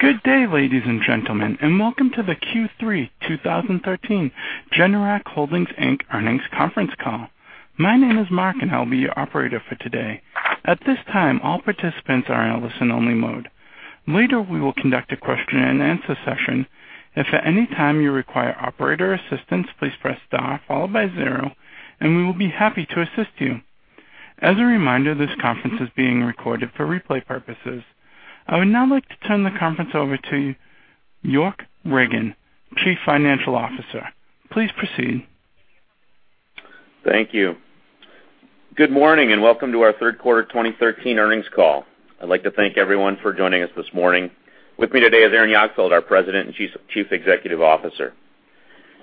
Good day, ladies and gentlemen. Welcome to the Q3 2013 Generac Holdings Inc. Earnings Conference Call. My name is Mark. I'll be your operator for today. At this time, all participants are in listen only mode. Later, we will conduct a question-and-answer session. If at any time you require operator assistance, please press star followed by zero. We will be happy to assist you. As a reminder, this conference is being recorded for replay purposes. I would now like to turn the conference over to York Ragen, Chief Financial Officer. Please proceed. Thank you. Good morning. Welcome to our Third Quarter 2013 Earnings Call. I'd like to thank everyone for joining us this morning. With me today is Aaron Jagdfeld, our President and Chief Executive Officer.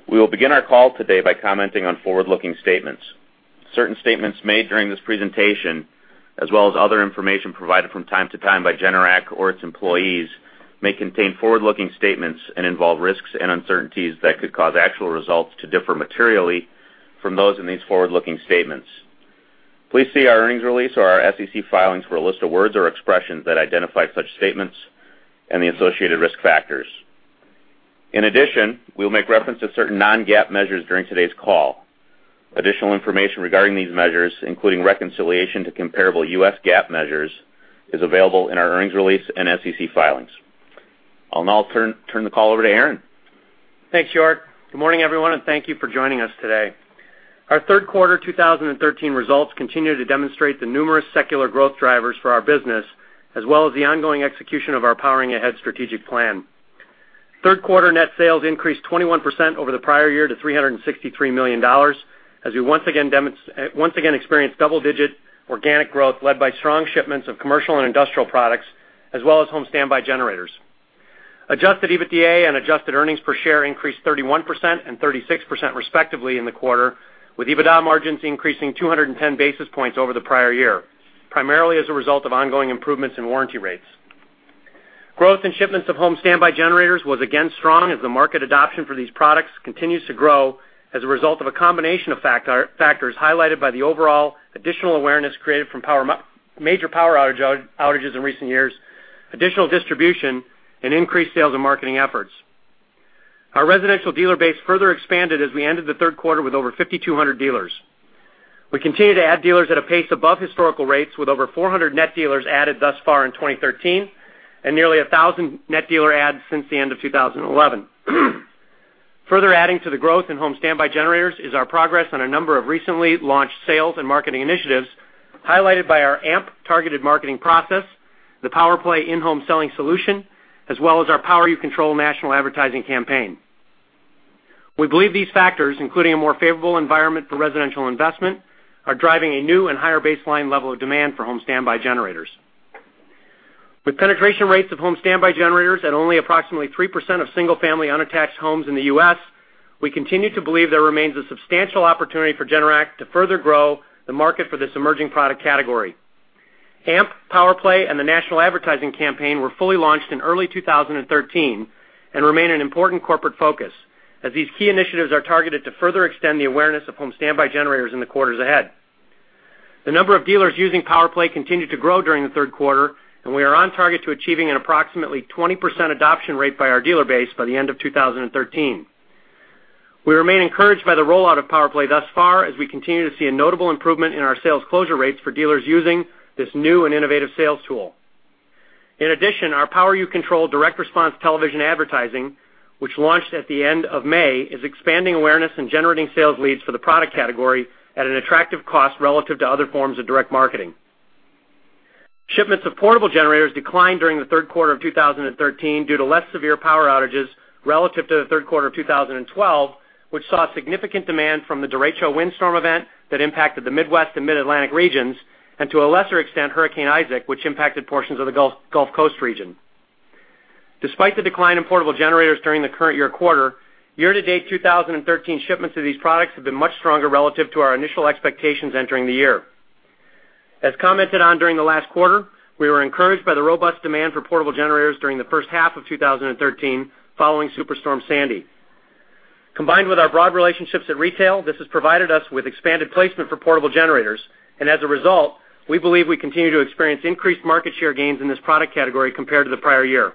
We will begin our call today by commenting on forward-looking statements. Certain statements made during this presentation, as well as other information provided from time to time by Generac or its employees, may contain forward-looking statements and involve risks and uncertainties that could cause actual results to differ materially from those in these forward-looking statements. Please see our earnings release or our SEC filings for a list of words or expressions that identify such statements and the associated risk factors. In addition, we'll make reference to certain non-GAAP measures during today's call. Additional information regarding these measures, including reconciliation to comparable U.S. GAAP measures, is available in our earnings release and SEC filings. I'll now turn the call over to Aaron. Thanks, York. Good morning, everyone. Thank you for joining us today. Our third quarter 2013 results continue to demonstrate the numerous secular growth drivers for our business, as well as the ongoing execution of our Powering Ahead strategic plan. Third quarter net sales increased 21% over the prior year to $363 million as we once again experienced double-digit organic growth led by strong shipments of commercial and industrial products, as well as home standby generators. Adjusted EBITDA and adjusted earnings per share increased 31% and 36% respectively in the quarter, with EBITDA margins increasing 210 basis points over the prior year, primarily as a result of ongoing improvements in warranty rates. Growth in shipments of home standby generators was again strong as the market adoption for these products continues to grow as a result of a combination of factors highlighted by the overall additional awareness created from major power outages in recent years, additional distribution, and increased sales and marketing efforts. Our residential dealer base further expanded as we ended the third quarter with over 5,200 dealers. We continue to add dealers at a pace above historical rates with over 400 net dealers added thus far in 2013 and nearly 1,000 net dealer adds since the end of 2011. Further adding to the growth in home standby generators is our progress on a number of recently launched sales and marketing initiatives highlighted by our A.M.P. targeted marketing process, the PowerPlay in-home selling solution, as well as our Power You Control national advertising campaign. We believe these factors, including a more favorable environment for residential investment, are driving a new and higher baseline level of demand for home standby generators. With penetration rates of home standby generators at only approximately 3% of single-family unattached homes in the U.S., we continue to believe there remains a substantial opportunity for Generac to further grow the market for this emerging product category. A.M.P., PowerPlay, and the national advertising campaign were fully launched in early 2013 and remain an important corporate focus as these key initiatives are targeted to further extend the awareness of home standby generators in the quarters ahead. The number of dealers using PowerPlay continued to grow during the third quarter, and we are on target to achieving an approximately 20% adoption rate by our dealer base by the end of 2013. We remain encouraged by the rollout of PowerPlay thus far as we continue to see a notable improvement in our sales closure rates for dealers using this new and innovative sales tool. In addition, our Power You Control direct response television advertising, which launched at the end of May, is expanding awareness and generating sales leads for the product category at an attractive cost relative to other forms of direct marketing. Shipments of portable generators declined during the third quarter of 2013 due to less severe power outages relative to the third quarter of 2012, which saw significant demand from the derecho windstorm event that impacted the Midwest and Mid-Atlantic regions, and to a lesser extent, Hurricane Isaac, which impacted portions of the Gulf Coast region. Despite the decline in portable generators during the current year quarter, year to date 2013 shipments of these products have been much stronger relative to our initial expectations entering the year. Combined with our broad relationships at retail, this has provided us with expanded placement for portable generators, and as a result, we believe we continue to experience increased market share gains in this product category compared to the prior year.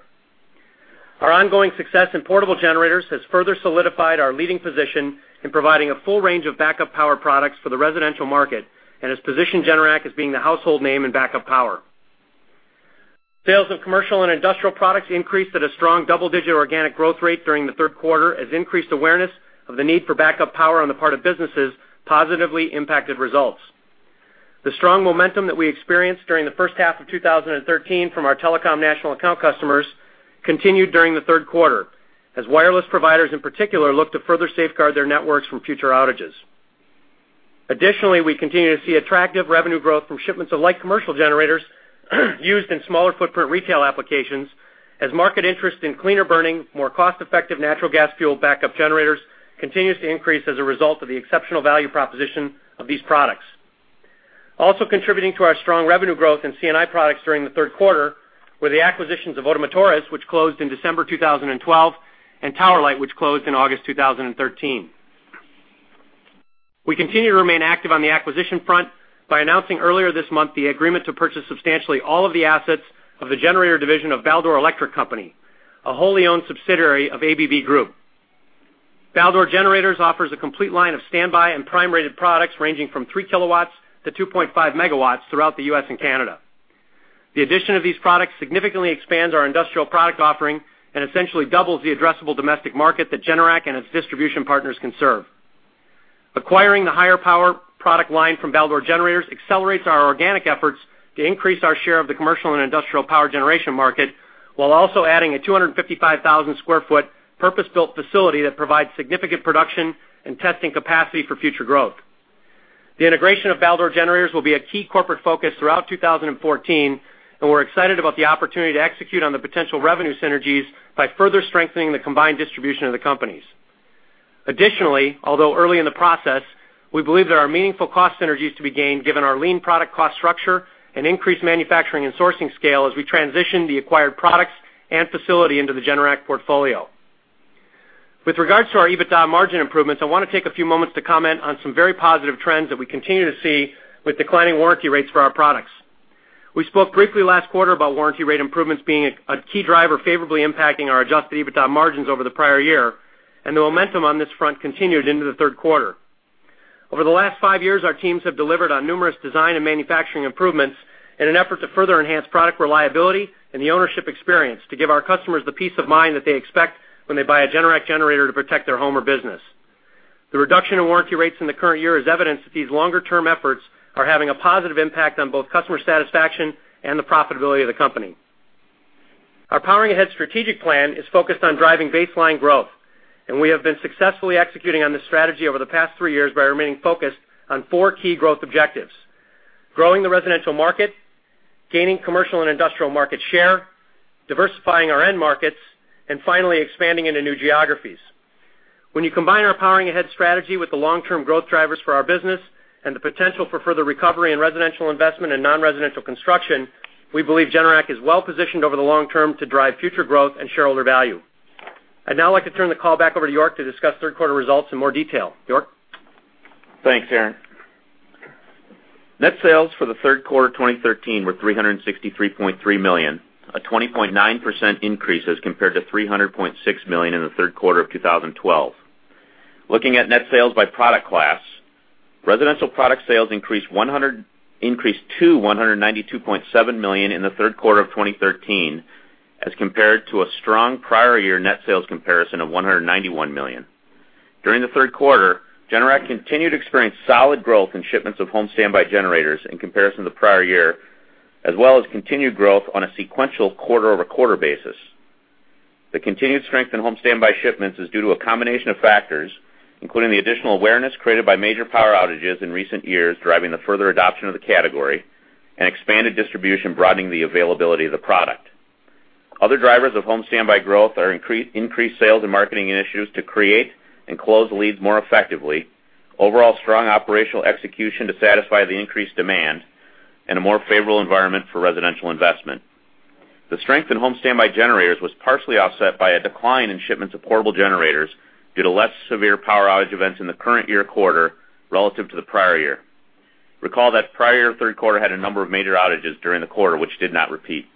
Our ongoing success in portable generators has further solidified our leading position in providing a full range of backup power products for the residential market and has positioned Generac as being the household name in backup power. Sales of commercial and industrial products increased at a strong double-digit organic growth rate during the third quarter as increased awareness of the need for backup power on the part of businesses positively impacted results. The strong momentum that we experienced during the first half of 2013 from our telecom national account customers continued during the third quarter as wireless providers in particular looked to further safeguard their networks from future outages. Additionally, we continue to see attractive revenue growth from shipments of light commercial generators used in smaller footprint retail applications as market interest in cleaner burning, more cost-effective natural gas-fueled backup generators continues to increase as a result of the exceptional value proposition of these products. Also contributing to our strong revenue growth in C&I products during the third quarter were the acquisitions of Ottomotores, which closed in December 2012, and Tower Light, which closed in August 2013. We continue to remain active on the acquisition front by announcing earlier this month the agreement to purchase substantially all of the assets of the generator division of Baldor Electric Company, a wholly owned subsidiary of ABB Group. Baldor Generators offers a complete line of standby and prime-rated products ranging from 3 kW-2.5 MW throughout the U.S. and Canada. The addition of these products significantly expands our industrial product offering and essentially doubles the addressable domestic market that Generac and its distribution partners can serve. Acquiring the higher power product line from Baldor Generators accelerates our organic efforts to increase our share of the commercial and industrial power generation market, while also adding a 255,000 sq ft purpose-built facility that provides significant production and testing capacity for future growth. The integration of Baldor Generators will be a key corporate focus throughout 2014, and we're excited about the opportunity to execute on the potential revenue synergies by further strengthening the combined distribution of the companies. Additionally, although early in the process, we believe there are meaningful cost synergies to be gained given our lean product cost structure and increased manufacturing and sourcing scale as we transition the acquired products and facility into the Generac portfolio. With regards to our EBITDA margin improvements, I want to take a few moments to comment on some very positive trends that we continue to see with declining warranty rates for our products. We spoke briefly last quarter about warranty rate improvements being a key driver favorably impacting our adjusted EBITDA margins over the prior year, and the momentum on this front continued into the third quarter. Over the last five years, our teams have delivered on numerous design and manufacturing improvements in an effort to further enhance product reliability and the ownership experience to give our customers the peace of mind that they expect when they buy a Generac generator to protect their home or business. The reduction in warranty rates in the current year is evidence that these longer-term efforts are having a positive impact on both customer satisfaction and the profitability of the company. Our Powering Ahead strategic plan is focused on driving baseline growth. We have been successfully executing on this strategy over the past three years by remaining focused on four key growth objectives: growing the residential market, gaining commercial and industrial market share, diversifying our end markets, and finally expanding into new geographies. When you combine our Powering Ahead strategy with the long-term growth drivers for our business and the potential for further recovery in residential investment and non-residential construction, we believe Generac is well-positioned over the long term to drive future growth and shareholder value. I'd now like to turn the call back over to York to discuss third quarter results in more detail. York? Thanks, Aaron. Net sales for the third quarter 2013 were $363.3 million, a 20.9% increase as compared to $300.6 million in the third quarter of 2012. Looking at net sales by product class, residential product sales increased to $192.7 million in the third quarter of 2013 as compared to a strong prior year net sales comparison of $191 million. During the third quarter, Generac continued to experience solid growth in shipments of home standby generators in comparison to the prior year, as well as continued growth on a sequential quarter-over-quarter basis. The continued strength in home standby shipments is due to a combination of factors, including the additional awareness created by major power outages in recent years, driving the further adoption of the category, and expanded distribution broadening the availability of the product. Other drivers of home standby growth are increased sales and marketing initiatives to create and close leads more effectively, overall strong operational execution to satisfy the increased demand, and a more favorable environment for residential investment. The strength in home standby generators was partially offset by a decline in shipments of portable generators due to less severe power outage events in the current year quarter relative to the prior year. Recall that prior third quarter had a number of major outages during the quarter, which did not repeat.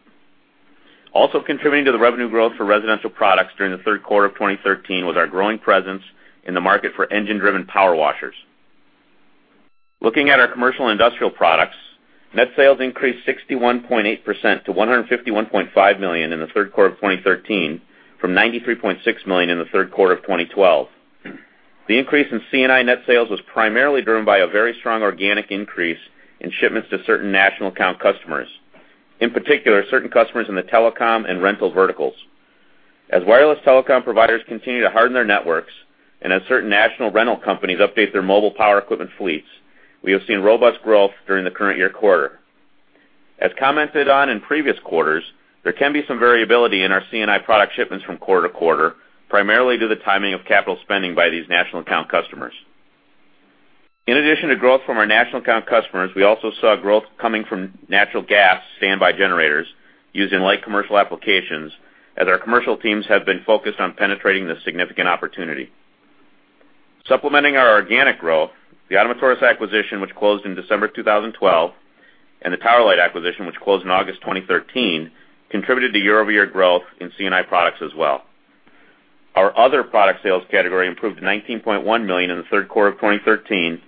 Also contributing to the revenue growth for residential products during the third quarter of 2013 was our growing presence in the market for engine-driven power washers. Looking at our commercial and industrial products, net sales increased 61.8% to $151.5 million in the third quarter of 2013 from $93.6 million in the third quarter of 2012. The increase in C&I net sales was primarily driven by a very strong organic increase in shipments to certain national account customers, in particular, certain customers in the telecom and rental verticals. As wireless telecom providers continue to harden their networks and as certain national rental companies update their mobile power equipment fleets, we have seen robust growth during the current year quarter. As commented on in previous quarters, there can be some variability in our C&I product shipments from quarter-to-quarter, primarily due to the timing of capital spending by these national account customers. In addition to growth from our national account customers, we also saw growth coming from natural gas standby generators used in light commercial applications, as our commercial teams have been focused on penetrating this significant opportunity. Supplementing our organic growth, the Ottomotores acquisition, which closed in December 2012, and the Tower Light acquisition, which closed in August 2013, contributed to year-over-year growth in C&I products as well. Our other product sales category improved to $19.1 million in the third quarter of 2013,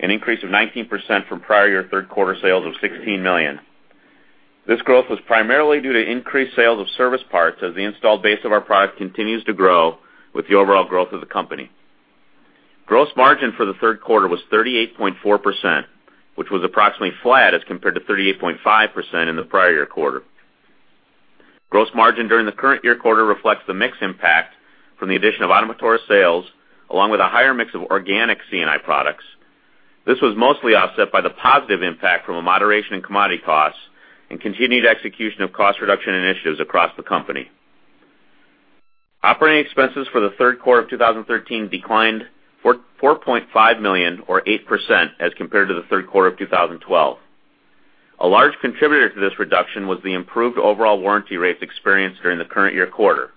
an increase of 19% from prior year third quarter sales of $16 million. This growth was primarily due to increased sales of service parts as the installed base of our product continues to grow with the overall growth of the company. Gross margin for the third quarter was 38.4%, which was approximately flat as compared to 38.5% in the prior year quarter. Gross margin during the current year quarter reflects the mix impact from the addition of Ottomotores sales, along with a higher mix of organic C&I products. This was mostly offset by the positive impact from a moderation in commodity costs and continued execution of cost reduction initiatives across the company. Operating expenses for the third quarter of 2013 declined $4.5 million or 8% as compared to the third quarter of 2012. A large contributor to this reduction was the improved overall warranty rates experienced during the current year quarter,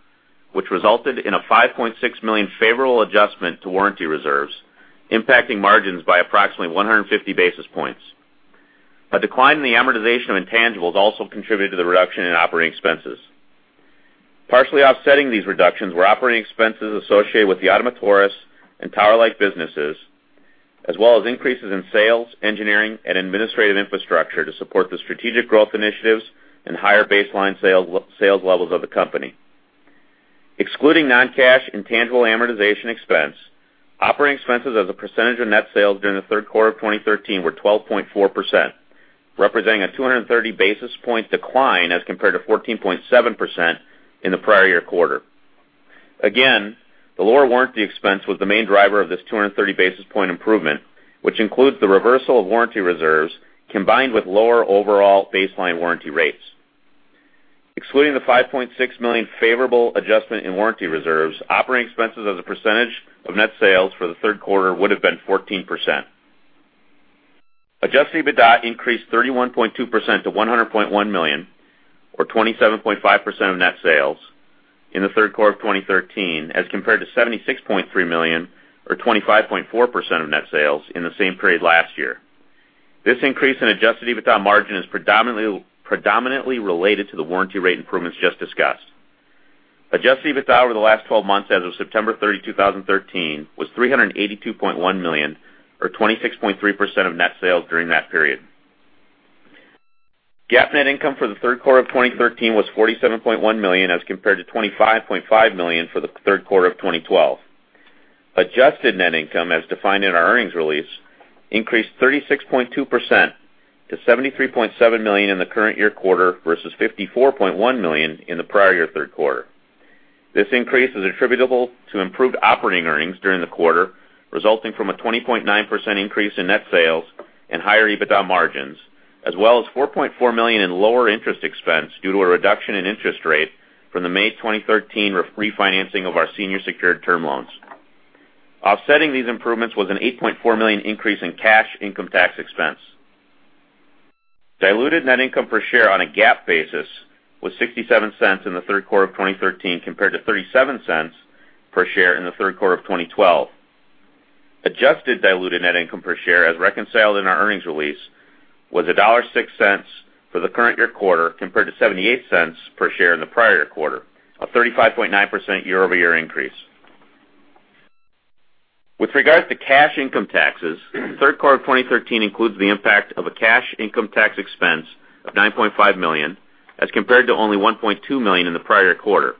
which resulted in a $5.6 million favorable adjustment to warranty reserves, impacting margins by approximately 150 basis points. A decline in the amortization of intangibles also contributed to the reduction in operating expenses. Partially offsetting these reductions were operating expenses associated with the Ottomotores and Tower Light businesses, as well as increases in sales, engineering, and administrative infrastructure to support the strategic growth initiatives and higher baseline sales levels of the company. Excluding non-cash intangible amortization expense, operating expenses as a percentage of net sales during the third quarter of 2013 were 12.4%, representing a 230 basis point decline as compared to 14.7% in the prior year quarter. Again, the lower warranty expense was the main driver of this 230 basis point improvement, which includes the reversal of warranty reserves combined with lower overall baseline warranty rates. Excluding the $5.6 million favorable adjustment in warranty reserves, operating expenses as a percentage of net sales for the third quarter would've been 14%. Adjusted EBITDA increased 31.2% to $100.1 million, or 27.5% of net sales, in the third quarter of 2013 as compared to $76.3 million or 25.4% of net sales in the same period last year. This increase in Adjusted EBITDA margin is predominantly related to the warranty rate improvements just discussed. Adjusted EBITDA over the last 12 months as of September 30, 2013, was $382.1 million or 26.3% of net sales during that period. GAAP net income for the third quarter of 2013 was $47.1 million as compared to $25.5 million for the third quarter of 2012. Adjusted net income, as defined in our earnings release, increased 36.2% to $73.7 million in the current year quarter versus $54.1 million in the prior year third quarter. This increase is attributable to improved operating earnings during the quarter, resulting from a 20.9% increase in net sales and higher EBITDA margins, as well as $4.4 million in lower interest expense due to a reduction in interest rate from the May 2013 refinancing of our senior secured term loans. Offsetting these improvements was an $8.4 million increase in cash income tax expense. Diluted net income per share on a GAAP basis was $0.67 in the third quarter of 2013 compared to $0.37 per share in the third quarter of 2012. Adjusted diluted net income per share, as reconciled in our earnings release, was $1.06 for the current year quarter compared to $0.78 per share in the prior quarter, a 35.9% year-over-year increase. With regard to cash income taxes, third quarter of 2013 includes the impact of a cash income tax expense of $9.5 million as compared to only $1.2 million in the prior quarter.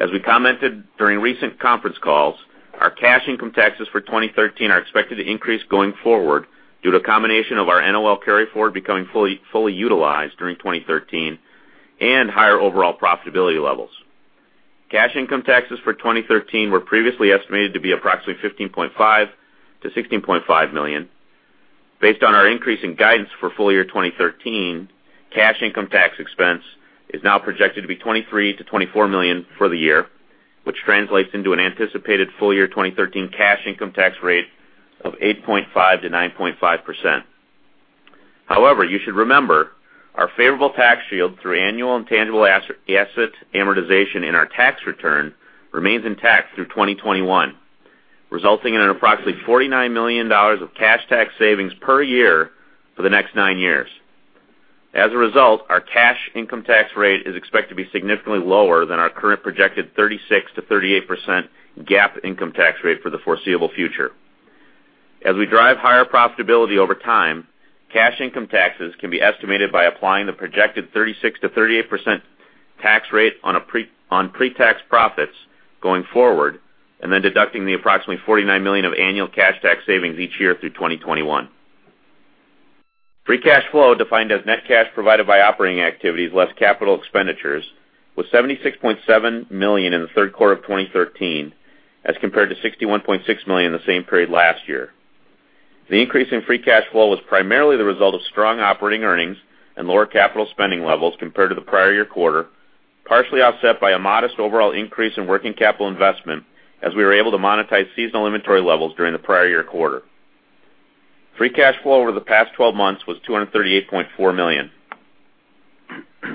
As we commented during recent conference calls, our cash income taxes for 2013 are expected to increase going forward due to a combination of our NOL carry-forward becoming fully utilized during 2013 and higher overall profitability levels. Cash income taxes for 2013 were previously estimated to be approximately $15.5 million-$16.5 million. Based on our increase in guidance for full year 2013, cash income tax expense is now projected to be $23 million-$24 million for the year, which translates into an anticipated full year 2013 cash income tax rate of 8.5%-9.5%. However, you should remember our favorable tax shield through annual intangible asset amortization in our tax return remains intact through 2021, resulting in approximately $49 million of cash tax savings per year for the next nine years. As a result, our cash income tax rate is expected to be significantly lower than our current projected 36%-38% GAAP income tax rate for the foreseeable future. As we drive higher profitability over time, cash income taxes can be estimated by applying the projected 36%-38% tax rate on pre-tax profits going forward, then deducting the approximately $49 million of annual cash tax savings each year through 2021. Free cash flow, defined as net cash provided by operating activities less capital expenditures, was $76.7 million in the third quarter of 2013 as compared to $61.6 million in the same period last year. The increase in free cash flow was primarily the result of strong operating earnings and lower capital spending levels compared to the prior year quarter, partially offset by a modest overall increase in working capital investment as we were able to monetize seasonal inventory levels during the prior year quarter. Free cash flow over the past 12 months was $238.4 million.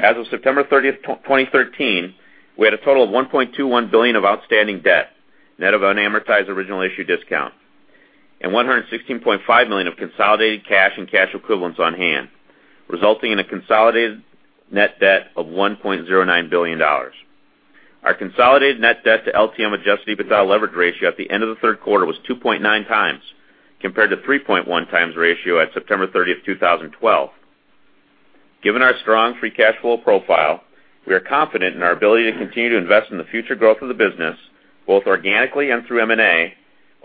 As of September 30th, 2013, we had a total of $1.21 billion of outstanding debt, net of unamortized original issue discount, and $116.5 million of consolidated cash and cash equivalents on hand, resulting in a consolidated net debt of $1.09 billion. Our consolidated net debt to LTM adjusted EBITDA leverage ratio at the end of the third quarter was 2.9x compared to 3.1x ratio at September 30th, 2012. Given our strong free cash flow profile, we are confident in our ability to continue to invest in the future growth of the business, both organically and through M&A,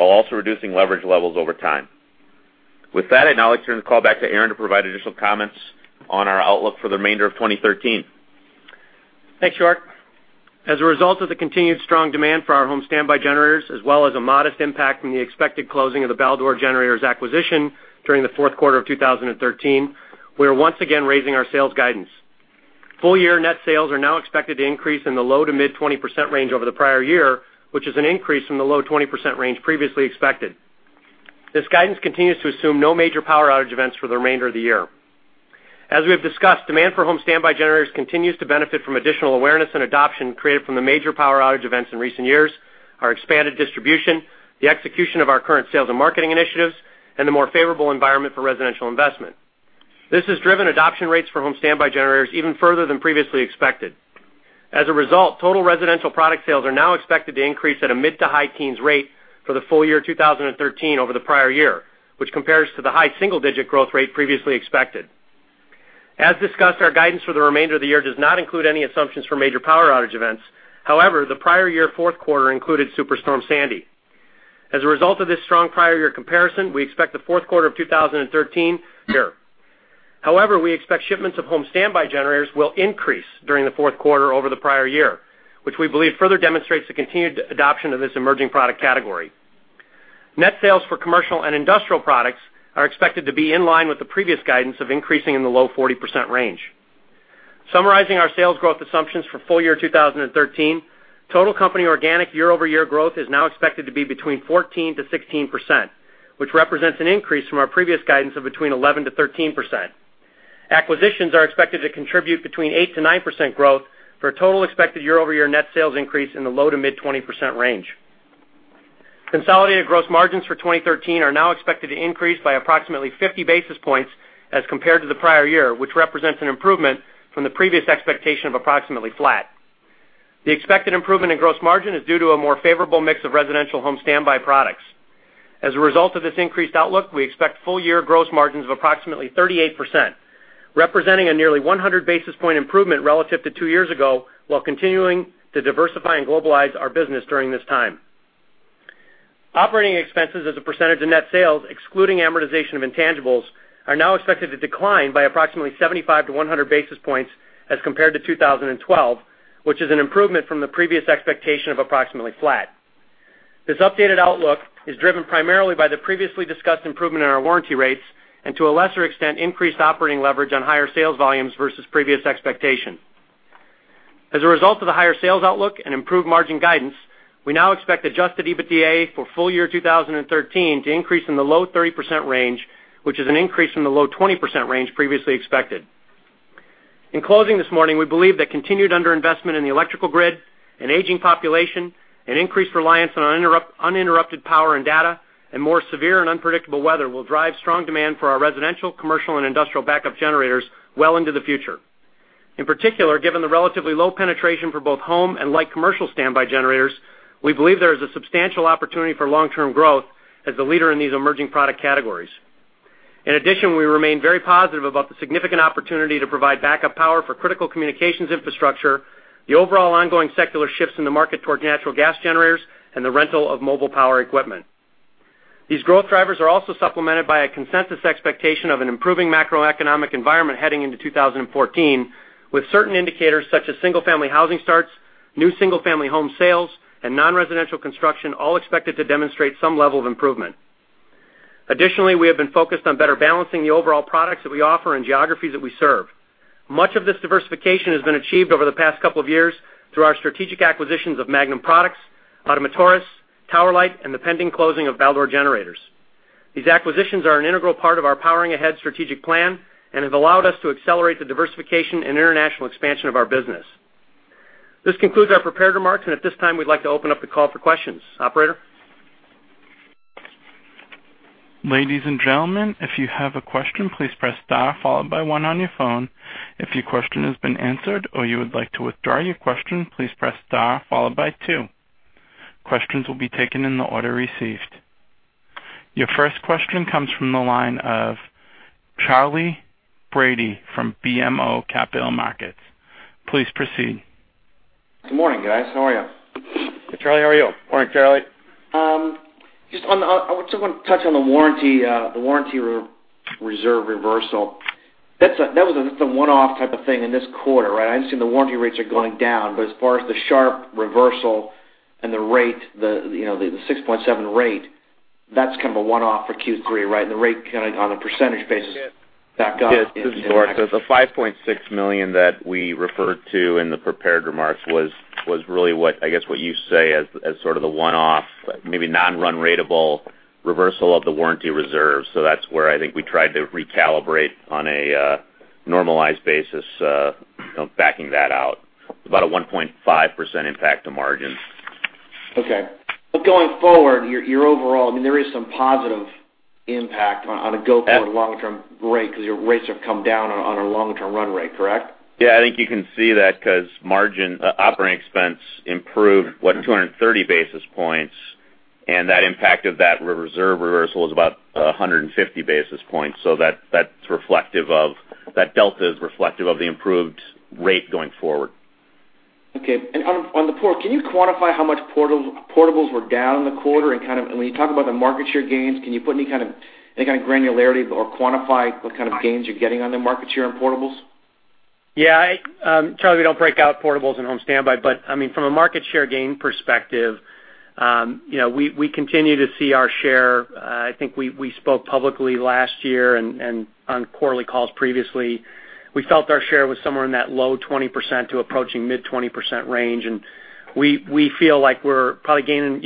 while also reducing leverage levels over time. With that, I'd now like to turn the call back to Aaron to provide additional comments on our outlook for the remainder of 2013. Thanks, York. As a result of the continued strong demand for our home standby generators, as well as a modest impact from the expected closing of the Baldor Generators acquisition during the fourth quarter of 2013, we are once again raising our sales guidance. Full year net sales are now expected to increase in the low to mid 20% range over the prior year, which is an increase from the low 20% range previously expected. This guidance continues to assume no major power outage events for the remainder of the year. As we have discussed, demand for home standby generators continues to benefit from additional awareness and adoption created from the major power outage events in recent years, our expanded distribution, the execution of our current sales and marketing initiatives, and the more favorable environment for residential investment. This has driven adoption rates for home standby generators even further than previously expected. As a result, total residential product sales are now expected to increase at a mid to high teens rate for the full year 2013 over the prior year, which compares to the high single-digit growth rate previously expected. As discussed, our guidance for the remainder of the year does not include any assumptions for major power outage events. The prior year fourth quarter included Superstorm Sandy. As a result of this strong prior year comparison, we expect the fourth quarter of 2013 here. We expect shipments of home standby generators will increase during the fourth quarter over the prior year, which we believe further demonstrates the continued adoption of this emerging product category. Net sales for commercial and industrial products are expected to be in line with the previous guidance of increasing in the low 40% range. Summarizing our sales growth assumptions for full year 2013, total company organic year-over-year growth is now expected to be between 14%-16%, which represents an increase from our previous guidance of between 11%-13%. Acquisitions are expected to contribute between 8%-9% growth for a total expected year-over-year net sales increase in the low to mid 20% range. Consolidated gross margins for 2013 are now expected to increase by approximately 50 basis points as compared to the prior year, which represents an improvement from the previous expectation of approximately flat. The expected improvement in gross margin is due to a more favorable mix of residential home standby products. As a result of this increased outlook, we expect full year gross margins of approximately 38%, representing a nearly 100 basis point improvement relative to two years ago, while continuing to diversify and globalize our business during this time. Operating expenses as a percentage of net sales, excluding amortization of intangibles, are now expected to decline by approximately 75-100 basis points as compared to 2012, which is an improvement from the previous expectation of approximately flat. This updated outlook is driven primarily by the previously discussed improvement in our warranty rates and, to a lesser extent, increased operating leverage on higher sales volumes versus previous expectation. As a result of the higher sales outlook and improved margin guidance, we now expect adjusted EBITDA for full year 2013 to increase in the low 30% range, which is an increase from the low 20% range previously expected. In closing this morning, we believe that continued underinvestment in the electrical grid, an aging population, an increased reliance on uninterrupted power and data, and more severe and unpredictable weather will drive strong demand for our residential, commercial, and industrial backup generators well into the future. In particular, given the relatively low penetration for both home and light commercial standby generators, we believe there is a substantial opportunity for long-term growth as the leader in these emerging product categories. In addition, we remain very positive about the significant opportunity to provide backup power for critical communications infrastructure, the overall ongoing secular shifts in the market toward natural gas generators, and the rental of mobile power equipment. These growth drivers are also supplemented by a consensus expectation of an improving macroeconomic environment heading into 2014, with certain indicators such as single-family housing starts, new single-family home sales, and non-residential construction all expected to demonstrate some level of improvement. Additionally, we have been focused on better balancing the overall products that we offer and geographies that we serve. Much of this diversification has been achieved over the past couple of years through our strategic acquisitions of Magnum Products, Ottomotores, Tower Light, and the pending closing of Baldor Generators. These acquisitions are an integral part of our Powering Ahead strategic plan and have allowed us to accelerate the diversification and international expansion of our business. This concludes our prepared remarks. At this time, we'd like to open up the call for questions. Operator? Ladies and gentlemen, if you have a question, please press star followed by one on your phone. If your question has been answered or you would like to withdraw your question, please press star followed by two. Questions will be taken in the order received. Your first question comes from the line of Charlie Brady from BMO Capital Markets. Please proceed. Good morning, guys. How are you? Hey, Charlie. How are you? Morning, Charlie. I just want to touch on the warranty reserve reversal. That was a one-off type of thing in this quarter, right? I understand the warranty rates are going down, but as far as the sharp reversal and the rate, the 6.7% rate, that's kind of a one-off for Q3, right? The rate kind of on a percentage basis back up. Yes. This is York. The $5.6 million that we referred to in the prepared remarks was really, I guess, what you say as sort of the one-off, maybe non-run ratable reversal of the warranty reserve. That's where I think we tried to recalibrate on a normalized basis backing that out. About a 1.5% impact to margin. Okay. Going forward, your overall, I mean, there is some positive impact on a go-forward long-term rate because your rates have come down on a long-term run rate, correct? Yeah, I think you can see that because margin operating expense improved, what, 230 basis points, and that impact of that reserve reversal is about 150 basis points. That delta is reflective of the improved rate going forward. Okay. On the portables, can you quantify how much portables were down in the quarter? When you talk about the market share gains, can you put any kind of granularity or quantify what kind of gains you're getting on the market share in portables? Yeah. Charlie, we don't break out portables in home standby. From a market share gain perspective. We continue to see our share. I think we spoke publicly last year and on quarterly calls previously. We felt our share was somewhere in that low 20% to approaching mid 20% range, and we feel like we're probably gaining.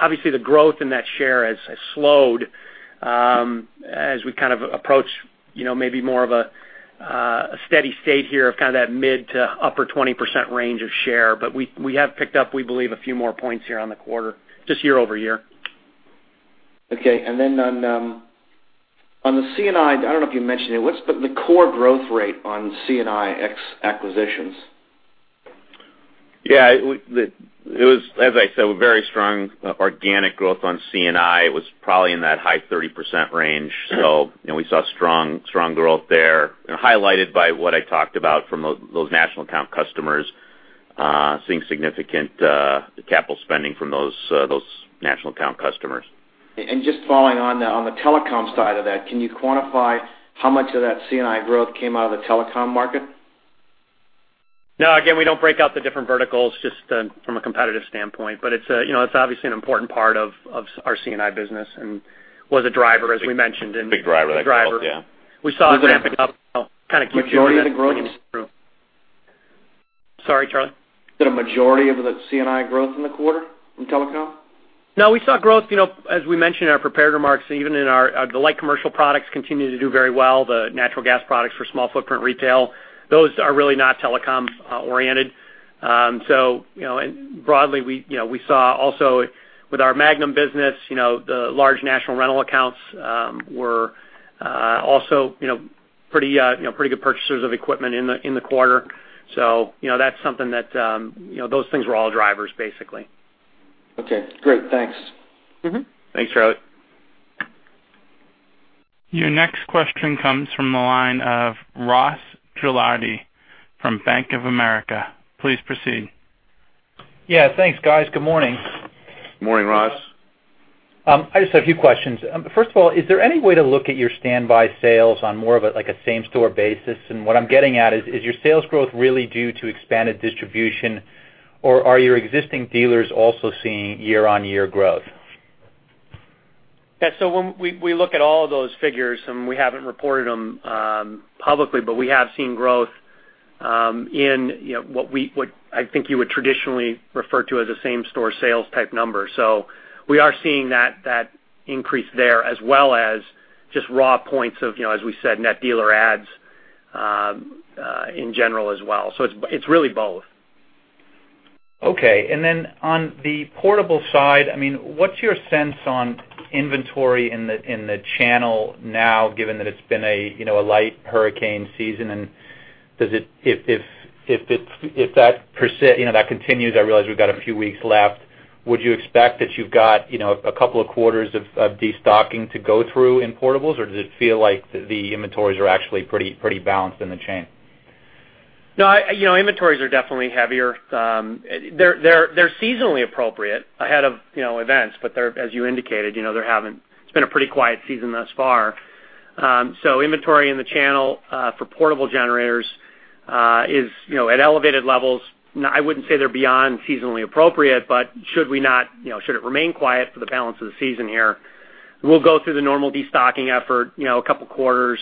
Obviously, the growth in that share has slowed as we kind of approach maybe more of a steady state here of kind of that mid to upper 20% range of share. We have picked up, we believe, a few more points here on the quarter, just year-over-year. Okay. Then on the C&I don't know if you mentioned it, what's the core growth rate on C&I ex-acquisitions? Yeah. As I said, very strong organic growth on C&I. It was probably in that high 30% range. We saw strong growth there, highlighted by what I talked about from those national account customers, seeing significant capital spending from those national account customers. Just following on the telecom side of that, can you quantify how much of that C&I growth came out of the telecom market? No, again, we don't break out the different verticals just from a competitive standpoint, but it's obviously an important part of our C&I business and was a driver, as we mentioned. Big driver, yeah. We saw it ramping up kind of. Majority of the growth? Sorry, Charlie? Is it a majority of the C&I growth in the quarter from telecom? No, we saw growth. As we mentioned in our prepared remarks, even in the light commercial products continue to do very well. The natural gas products for small footprint retail, those are really not telecom-oriented. Broadly, we saw also with our Magnum business the large national rental accounts were also pretty good purchasers of equipment in the quarter. That's something that, those things were all drivers, basically. Okay, great. Thanks. Thanks, Charlie. Your next question comes from the line of Ross Gilardi from Bank of America. Please proceed. Yeah, thanks, guys. Good morning. Morning, Ross. I just have a few questions. First of all, is there any way to look at your standby sales on more of like a same-store basis? What I'm getting at is your sales growth really due to expanded distribution, or are your existing dealers also seeing year-on-year growth? Yeah. We look at all of those figures, we haven't reported them publicly, we have seen growth in what I think you would traditionally refer to as a same-store sales type number. We are seeing that increase there as well as just raw points of, as we said, net dealer adds in general as well. It's really both. Okay. On the portable side, what's your sense on inventory in the channel now, given that it's been a light hurricane season? If that continues, I realize we've got a few weeks left, would you expect that you've got a couple of quarters of de-stocking to go through in portables, or does it feel like the inventories are actually pretty balanced in the chain? No, inventories are definitely heavier. They're seasonally appropriate ahead of events, as you indicated, it's been a pretty quiet season thus far. Inventory in the channel for portable generators is at elevated levels. I wouldn't say they're beyond seasonally appropriate, should it remain quiet for the balance of the season here, we'll go through the normal de-stocking effort. A couple of quarters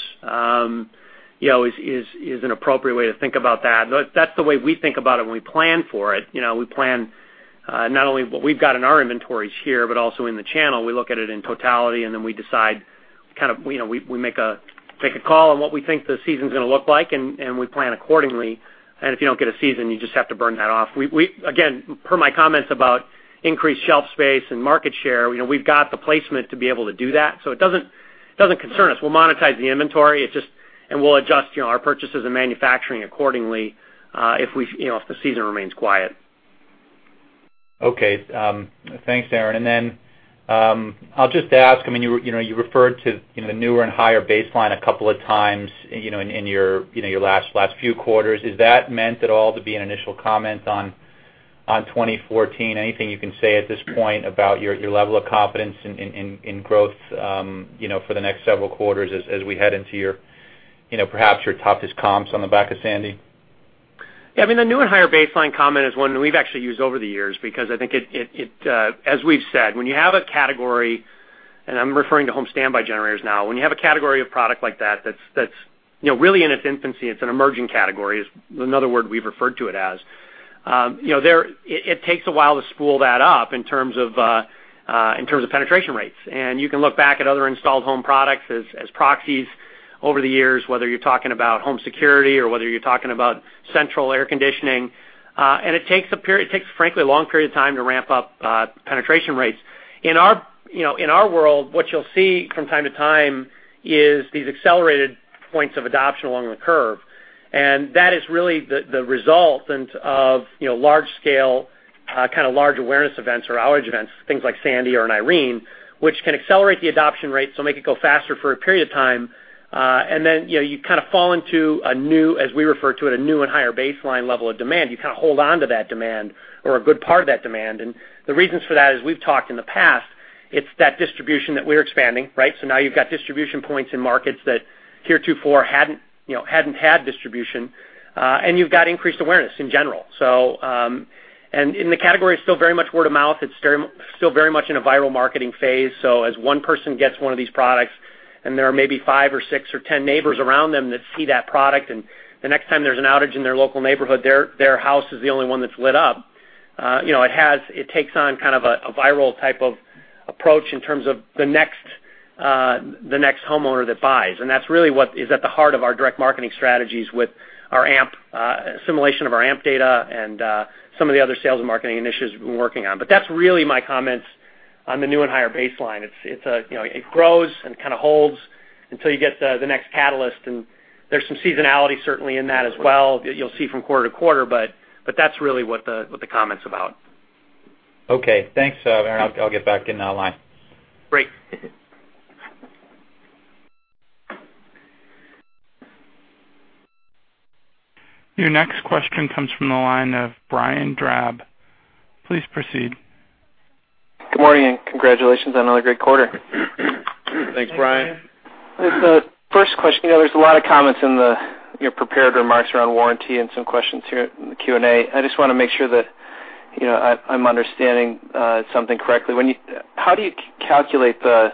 is an appropriate way to think about that. That's the way we think about it when we plan for it. We plan not only what we've got in our inventories here, but also in the channel. We look at it in totality, we decide, we make a call on what we think the season's going to look like, and we plan accordingly. If you don't get a season, you just have to burn that off. Again, per my comments about increased shelf space and market share, we've got the placement to be able to do that, it doesn't concern us. We'll monetize the inventory, we'll adjust our purchases and manufacturing accordingly, if the season remains quiet. Thanks, Aaron. I'll just ask, you referred to the newer and higher baseline a couple of times in your last few quarters. Is that meant at all to be an initial comment on 2014? Anything you can say at this point about your level of confidence in growth for the next several quarters as we head into perhaps your toughest comps on the back of Sandy? I mean, the new and higher baseline comment is one we've actually used over the years because I think as we've said, when you have a category, and I'm referring to home standby generators now, when you have a category of product like that's really in its infancy, it's an emerging category, is another word we've referred to it as. It takes a while to spool that up in terms of penetration rates. You can look back at other installed home products as proxies over the years, whether you're talking about home security or whether you're talking about central air conditioning. It takes, frankly, a long period of time to ramp up penetration rates. In our world, what you'll see from time to time is these accelerated points of adoption along the curve, that is really the result of large scale, kind of large awareness events or outage events, things like Sandy or an Irene, which can accelerate the adoption rate, so make it go faster for a period of time. Then you kind of fall into a new, as we refer to it, a new and higher baseline level of demand. You kind of hold onto that demand or a good part of that demand. The reasons for that, as we've talked in the past. It's that distribution that we're expanding, right? Now you've got distribution points in markets that Tier 2, 4 hadn't had distribution, you've got increased awareness in general. The category is still very much word of mouth. It's still very much in a viral marketing phase. As one person gets one of these products, and there are maybe five or six or 10 neighbors around them that see that product, and the next time there's an outage in their local neighborhood, their house is the only one that's lit up. It takes on kind of a viral type of approach in terms of the next homeowner that buys. That's really what is at the heart of our direct marketing strategies with our A.M.P., assimilation of our A.M.P. data and some of the other sales and marketing initiatives we've been working on. That's really my comments on the new and higher baseline. It grows and kind of holds until you get the next catalyst. There's some seasonality certainly in that as well, you'll see from quarter to quarter. That's really what the comment's about. Okay. Thanks, Aaron. I'll get back in line. Great. Your next question comes from the line of Brian Drab. Please proceed. Good morning. Congratulations on another great quarter. Thanks, Brian. First question, there's a lot of comments in the prepared remarks around warranty and some questions here in the Q&A. I just want to make sure that I'm understanding something correctly. How do you calculate the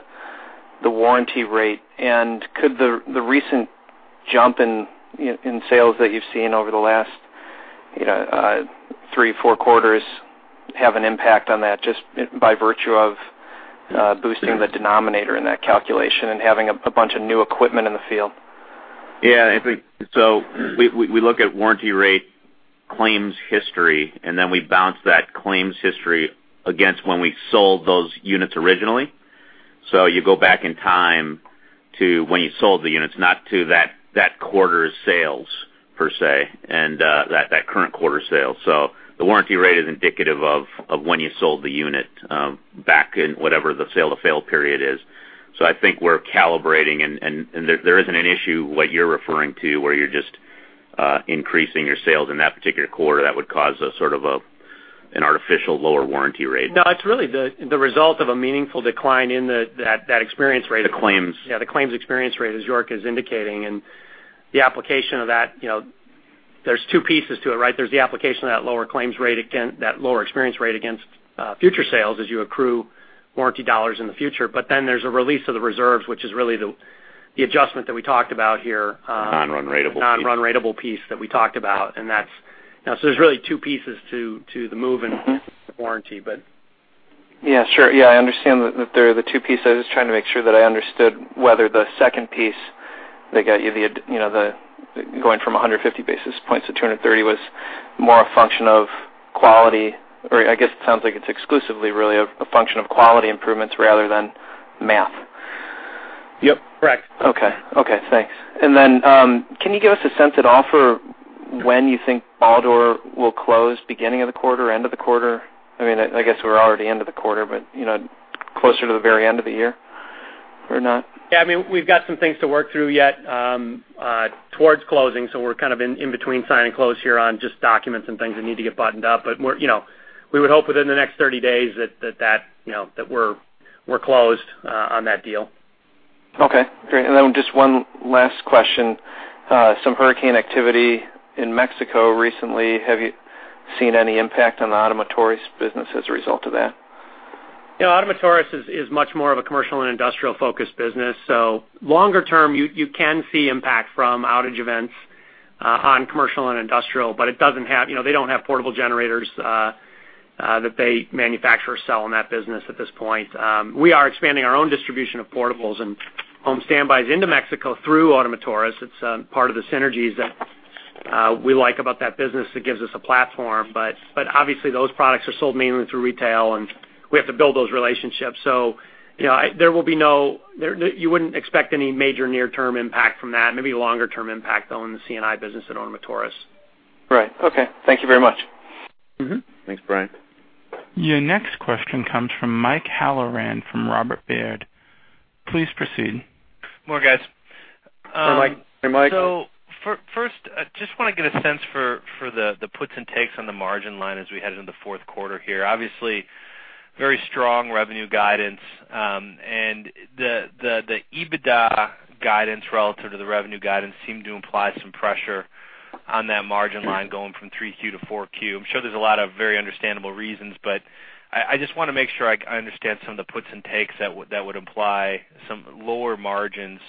warranty rate, and could the recent jump in sales that you've seen over the last three, four quarters have an impact on that, just by virtue of boosting the denominator in that calculation and having a bunch of new equipment in the field? Yeah, I think. We look at warranty rate claims history, and then we bounce that claims history against when we sold those units originally. You go back in time to when you sold the units, not to that quarter's sales, per se, and that current quarter sales. The warranty rate is indicative of when you sold the unit, back in whatever the sale to fail period is. I think we're calibrating, and there isn't an issue what you're referring to where you're just increasing your sales in that particular quarter that would cause a sort of an artificial lower warranty rate. No, it's really the result of a meaningful decline in that experience rate. The claims. Yeah, the claims experience rate, as York is indicating. The application of that, there's two pieces to it, right? There's the application of that lower claims rate that lower experience rate against future sales as you accrue warranty dollars in the future. There's a release of the reserves, which is really the adjustment that we talked about here. Non-run ratable piece. Non-run ratable piece that we talked about. There's really two pieces to the move in warranty, but Yeah, sure. I understand that there are the two pieces. I was just trying to make sure that I understood whether the second piece that got you the going from 150 basis points to 230 was more a function of quality, or I guess it sounds like it's exclusively really a function of quality improvements rather than math. Yep, correct. Okay. Thanks. Can you give us a sense at all for when you think Baldor will close, beginning of the quarter, end of the quarter? I guess we're already end of the quarter, but closer to the very end of the year or not? Yeah, we've got some things to work through yet towards closing, so we're kind of in between sign and close here on just documents and things that need to get buttoned up. We hope within the next 30 days that we're closed on that deal. Okay, great. Just one last question. Some hurricane activity in Mexico recently. Have you seen any impact on the Ottomotores business as a result of that? Ottomotores is much more of a commercial and industrial focused business. Longer term, you can see impact from outage events on commercial and industrial, but they don't have portable generators that they manufacture or sell in that business at this point. We are expanding our own distribution of portables and home standbys into Mexico through Ottomotores. It's part of the synergies that we like about that business that gives us a platform. Obviously those products are sold mainly through retail, and we have to build those relationships. You wouldn't expect any major near term impact from that. Maybe longer term impact, though, in the C&I business at Ottomotores. Right. Okay. Thank you very much. Thanks, Brian. Your next question comes from Mike Halloran from Robert Baird. Please proceed. Good morning, guys. Hey, Mike. Hey, Mike. First, I just want to get a sense for the puts and takes on the margin line as we head into the fourth quarter here. Obviously, very strong revenue guidance. The EBITDA guidance relative to the revenue guidance seemed to imply some pressure on that margin line going from Q3 to Q4. I'm sure there's a lot of very understandable reasons, but I just want to make sure I understand some of the puts and takes that would imply some lower margins,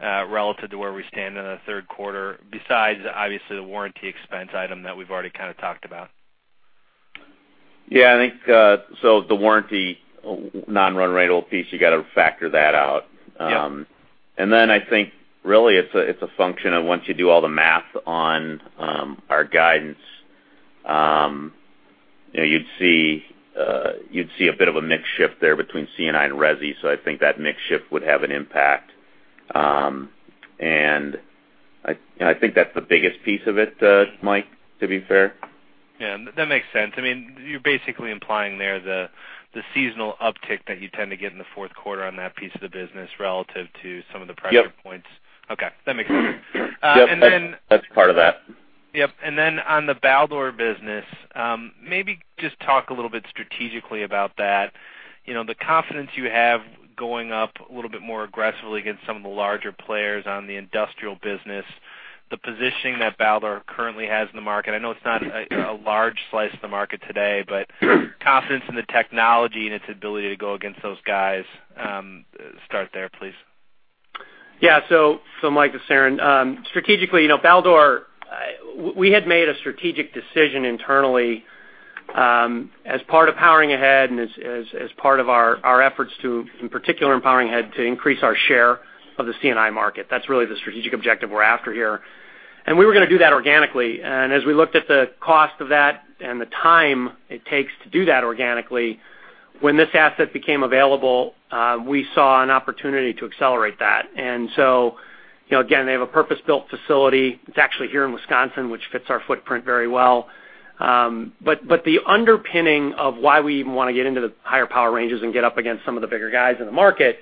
relative to where we stand in the third quarter, besides obviously the warranty expense item that we've already kind of talked about. I think, the warranty non-run ratable piece, you got to factor that out. Yep. I think really it's a function of once you do all the math on our guidance, you'd see a bit of a mix shift there between C&I and resi. I think that mix shift would have an impact. I think that's the biggest piece of it, Mike, to be fair. That makes sense. You're basically implying there the seasonal uptick that you tend to get in the fourth quarter on that piece of the business relative to some of the pressure points. Yep. Okay. That makes sense. Yep, that's part of that Yep. On the Baldor business, maybe just talk a little bit strategically about that. The confidence you have going up a little bit more aggressively against some of the larger players on the industrial business, the positioning that Baldor currently has in the market. I know it's not a large slice of the market today, but confidence in the technology and its ability to go against those guys. Start there, please. Yeah. Mike, this is Aaron. Strategically, Baldor, we had made a strategic decision internally, as part of Powering Ahead and as part of our efforts to, in particular in Powering Ahead, to increase our share of the C&I market. That's really the strategic objective we're after here. We were going to do that organically. As we looked at the cost of that and the time it takes to do that organically, when this asset became available, we saw an opportunity to accelerate that. Again, they have a purpose-built facility. It's actually here in Wisconsin, which fits our footprint very well. The underpinning of why we even want to get into the higher power ranges and get up against some of the bigger guys in the market,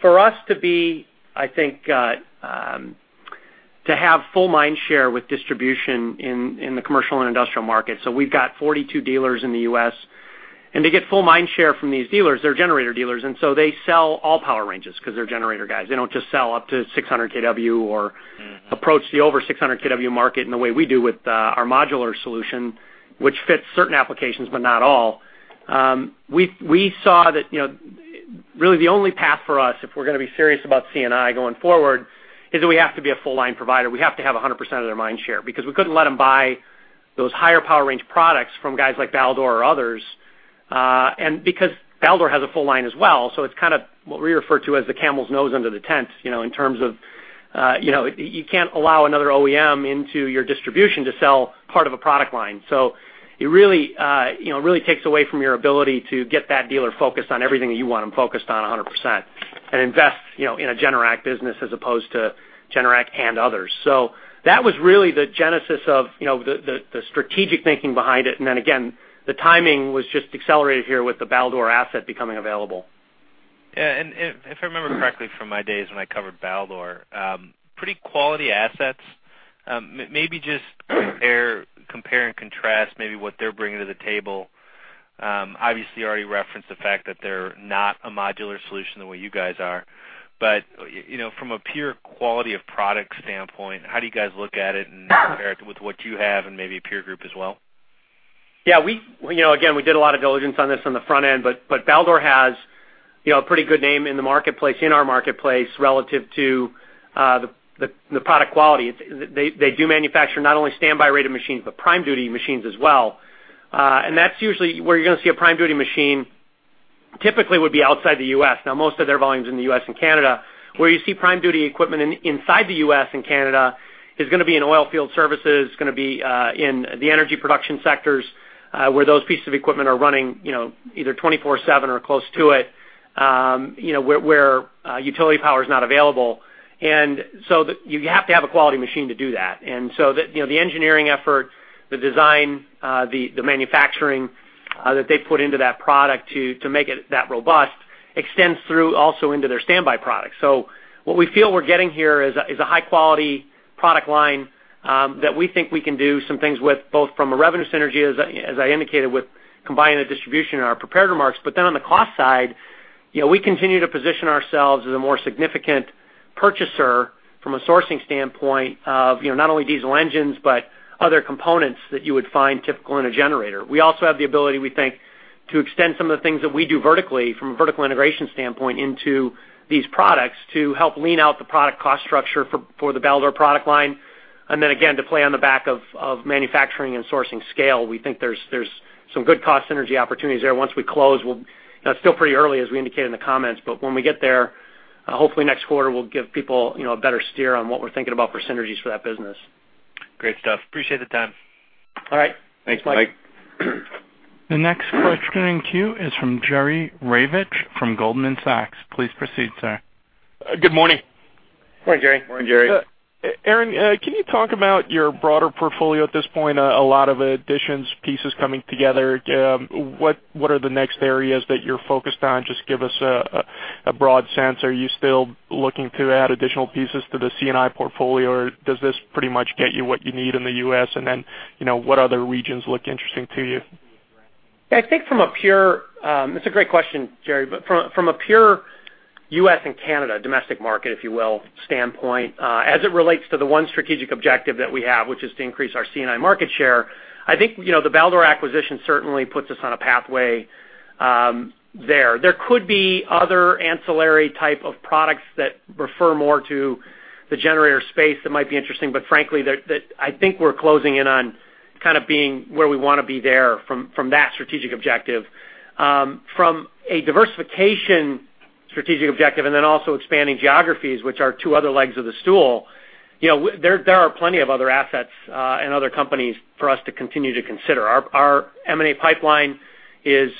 for us to have full mind share with distribution in the commercial and industrial market. We've got 42 dealers in the U.S., to get full mind share from these dealers, they're generator dealers, they sell all power ranges because they're generator guys. They don't just sell up to 600 kW or approach the over 600 kW market in the way we do with our modular solution, which fits certain applications, not all. We saw that, really the only path for us, if we're going to be serious about C&I going forward, is that we have to be a full line provider. We have to have 100% of their mind share, because we couldn't let them buy those higher power range products from guys like Baldor or others. Because Baldor has a full line as well, it's kind of what we refer to as the camel's nose under the tent, in terms of you can't allow another OEM into your distribution to sell part of a product line. It really takes away from your ability to get that dealer focused on everything that you want them focused on 100% and invest in a Generac business as opposed to Generac and others. That was really the genesis of the strategic thinking behind it. Then again, the timing was just accelerated here with the Baldor asset becoming available. Yeah. If I remember correctly from my days when I covered Baldor, pretty quality assets. Maybe just compare and contrast maybe what they're bringing to the table. Obviously, you already referenced the fact that they're not a modular solution the way you guys are. From a pure quality of product standpoint, how do you guys look at it and compare it with what you have and maybe a peer group as well? Yeah. Again, we did a lot of diligence on this on the front end, Baldor has a pretty good name in the marketplace, in our marketplace, relative to the product quality. They do manufacture not only standby rated machines, prime duty machines as well. That's usually where you're going to see a prime duty machine typically would be outside the U.S. Now most of their volume's in the U.S. and Canada. Where you see prime duty equipment inside the U.S. and Canada is going to be in oil field services, it's going to be in the energy production sectors, where those pieces of equipment are running either 24/7 or close to it, where utility power is not available. You have to have a quality machine to do that. The engineering effort, the design, the manufacturing that they put into that product to make it that robust extends through also into their standby product. What we feel we're getting here is a high-quality product line, that we think we can do some things with, both from a revenue synergy, as I indicated, with combining the distribution in our prepared remarks. On the cost side, we continue to position ourselves as a more significant purchaser from a sourcing standpoint of not only diesel engines, but other components that you would find typical in a generator. We also have the ability, we think, to extend some of the things that we do vertically, from a vertical integration standpoint, into these products to help lean out the product cost structure for the Baldor product line. Again, to play on the back of manufacturing and sourcing scale. We think there's some good cost synergy opportunities there once we close. It's still pretty early, as we indicated in the comments, but when we get there, hopefully next quarter we'll give people a better steer on what we're thinking about for synergies for that business. Great stuff. Apppreciate the time. All right. Thanks, Mike. Thanks, Mike. The next question in queue is from Jerry Revich from Goldman Sachs. Please proceed, sir. Good morning. Morning, Jerry. Morning, Jerry. Aaron, can you talk about your broader portfolio at this point? A lot of additions, pieces coming together. What are the next areas that you're focused on? Just give us a broad sense. Are you still looking to add additional pieces to the C&I portfolio, or does this pretty much get you what you need in the U.S.? What other regions look interesting to you? It's a great question, Jerry. From a pure U.S. and Canada, domestic market, if you will, standpoint, as it relates to the one strategic objective that we have, which is to increase our C&I market share, I think, the Baldor acquisition certainly puts us on a pathway there. There could be other ancillary type of products that refer more to the generator space that might be interesting, but frankly, I think we're closing in on kind of being where we want to be there from that strategic objective. From a diversification strategic objective, and then also expanding geographies, which are two other legs of the stool, there are plenty of other assets and other companies for us to continue to consider. Our M&A pipeline is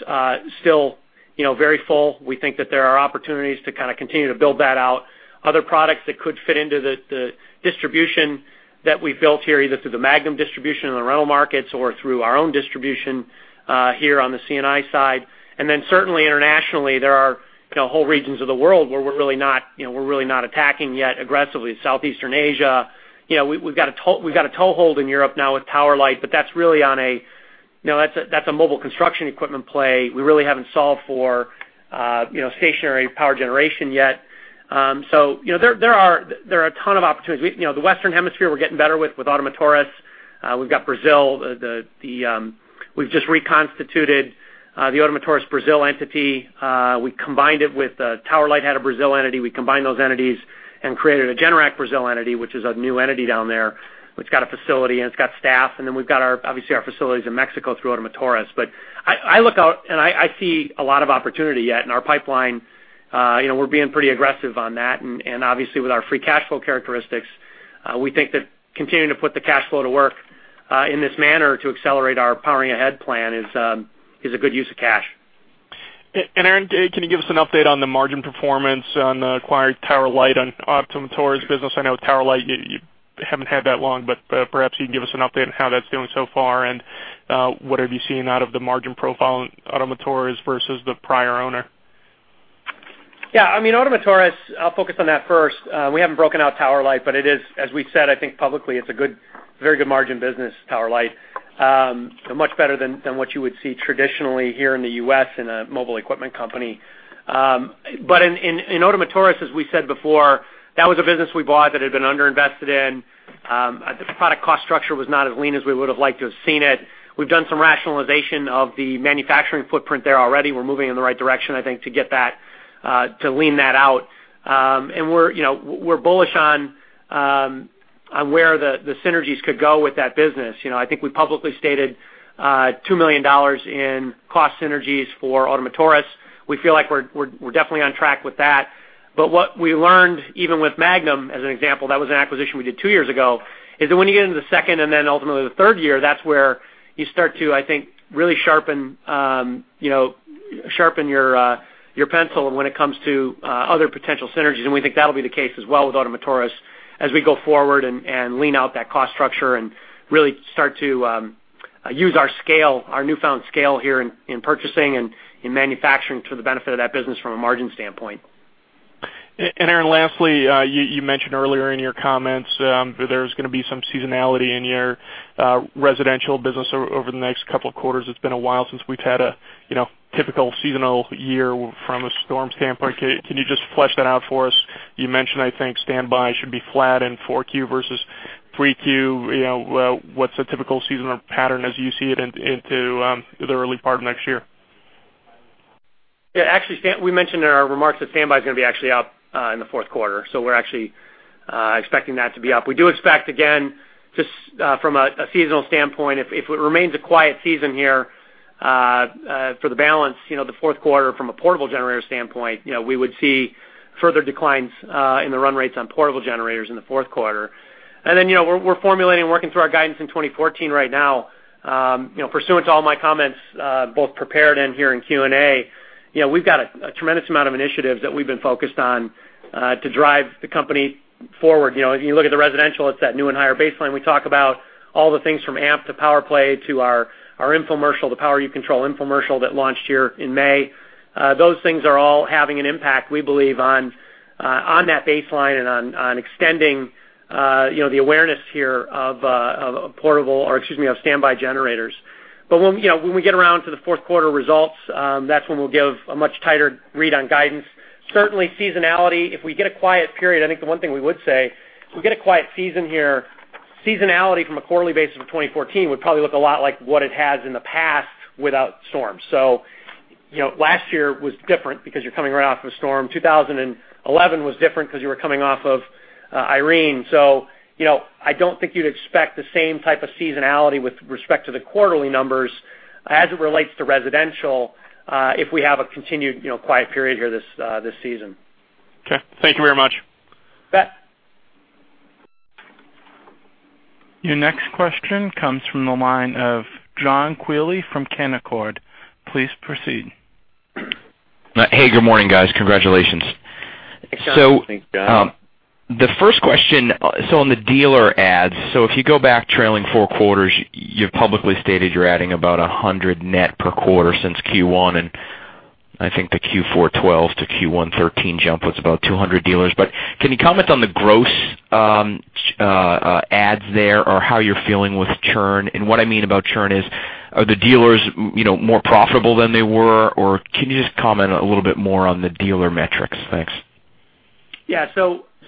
still very full. We think that there are opportunities to kind of continue to build that out. Other products that could fit into the distribution that we've built here, either through the Magnum distribution in the rental markets or through our own distribution here on the C&I side. Then certainly internationally, there are whole regions of the world where we're really not attacking yet aggressively. Southeast Asia. We've got a toehold in Europe now with Tower Light, but that's a mobile construction equipment play. We really haven't solved for stationary power generation yet. There are a ton of opportunities. The Western Hemisphere, we're getting better with Ottomotores. We've got Brazil. We've just reconstituted the Ottomotores Brazil entity. Tower Light had a Brazil entity. We combined those entities and created a Generac Brazil entity, which is a new entity down there. It's got a facility, and it's got staff. Then we've got, obviously, our facilities in Mexico through Ottomotores. I look out, and I see a lot of opportunity yet in our pipeline. We're being pretty aggressive on that. Obviously, with our free cash flow characteristics, we think that continuing to put the cash flow to work in this manner to accelerate our Powering Ahead plan is a good use of cash. Aaron, can you give us an update on the margin performance on the acquired Tower Light on Ottomotores business? I know Tower Light, you haven't had that long, perhaps you can give us an update on how that's doing so far. What have you seen out of the margin profile in Ottomotores versus the prior owner? Yeah. Ottomotores, I'll focus on that first. We haven't broken out Tower Light, as we said, I think publicly, it's a very good margin business, Tower Light. Much better than what you would see traditionally here in the U.S. in a mobile equipment company. In Ottomotores, as we said before, that was a business we bought that had been under-invested in. The product cost structure was not as lean as we would've liked to have seen it. We've done some rationalization of the manufacturing footprint there already. We're moving in the right direction, I think, to lean that out. We're bullish on where the synergies could go with that business. I think we publicly stated $2 million in cost synergies for Ottomotores. We feel like we're definitely on track with that. What we learned, even with Magnum, as an example, that was an acquisition we did two years ago, is that when you get into the second and then ultimately the third year, that's where you start to, I think, really sharpen your pencil, when it comes to other potential synergies. We think that'll be the case as well with Ottomotores as we go forward and lean out that cost structure and really start to use our newfound scale here in purchasing and in manufacturing to the benefit of that business from a margin standpoint. Aaron, lastly, you mentioned earlier in your comments, there's going to be some seasonality in your residential business over the next couple of quarters. It's been a while since we've had a typical seasonal year from a storm standpoint. Can you just flesh that out for us? You mentioned, I think, standby should be flat in Q4 versus Q3. What's a typical seasonal pattern as you see it into the early part of next year? Actually, we mentioned in our remarks that standby's going to be actually up in the fourth quarter, so we're actually expecting that to be up. We do expect, again, just from a seasonal standpoint, if it remains a quiet season here for the balance, the fourth quarter from a portable generator standpoint, we would see further declines in the run rates on portable generators in the fourth quarter. Then we're formulating and working through our guidance in 2014 right now. Pursuant to all my comments, both prepared and here in Q&A, we've got a tremendous amount of initiatives that we've been focused on to drive the company forward. If you look at the residential, it's that new and higher baseline. We talk about all the things from A.M.P. to PowerPlay to our infomercial, the Power You Control infomercial that launched here in May. Those things are all having an impact, we believe, on that baseline and on extending the awareness here of standby generators. When we get around to the fourth quarter results, that's when we'll give a much tighter read on guidance. Certainly seasonality, if we get a quiet period, I think the one thing we would say, if we get a quiet season here, seasonality from a quarterly basis of 2014 would probably look a lot like what it has in the past without storms. Last year was different because you're coming right off of a storm. 2011 was different because you were coming off of Irene. I don't think you'd expect the same type of seasonality with respect to the quarterly numbers as it relates to residential if we have a continued quiet period here this season. Okay. Thank you very much. You bet. Your next question comes from the line of John Quealy from Canaccord. Please proceed. Hey, good morning, guys. Congratulations. Thanks, John. Thanks, John. The first question, on the dealer adds. If you go back trailing four quarters, you've publicly stated you're adding about 100 net per quarter since Q1, and I think the Q4 2012 to Q1 2013 jump was about 200 dealers. Can you comment on the gross adds there or how you're feeling with churn? What I mean about churn is, are the dealers more profitable than they were, or can you just comment a little bit more on the dealer metrics? Thanks.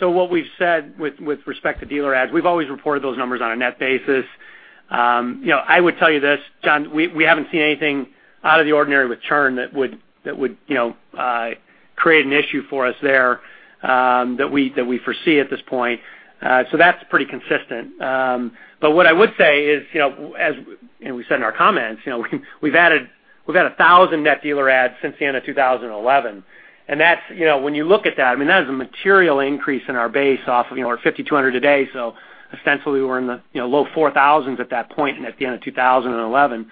What we've said with respect to dealer adds, we've always reported those numbers on a net basis. I would tell you this, John, we haven't seen anything out of the ordinary with churn that would create an issue for us there that we foresee at this point. That's pretty consistent. What I would say is, as we said in our comments, We've had 1,000 net dealer adds since the end of 2011. When you look at that is a material increase in our base off of our 5,200 a day. Ostensibly, we were in the low 4,000s at that point and at the end of 2011.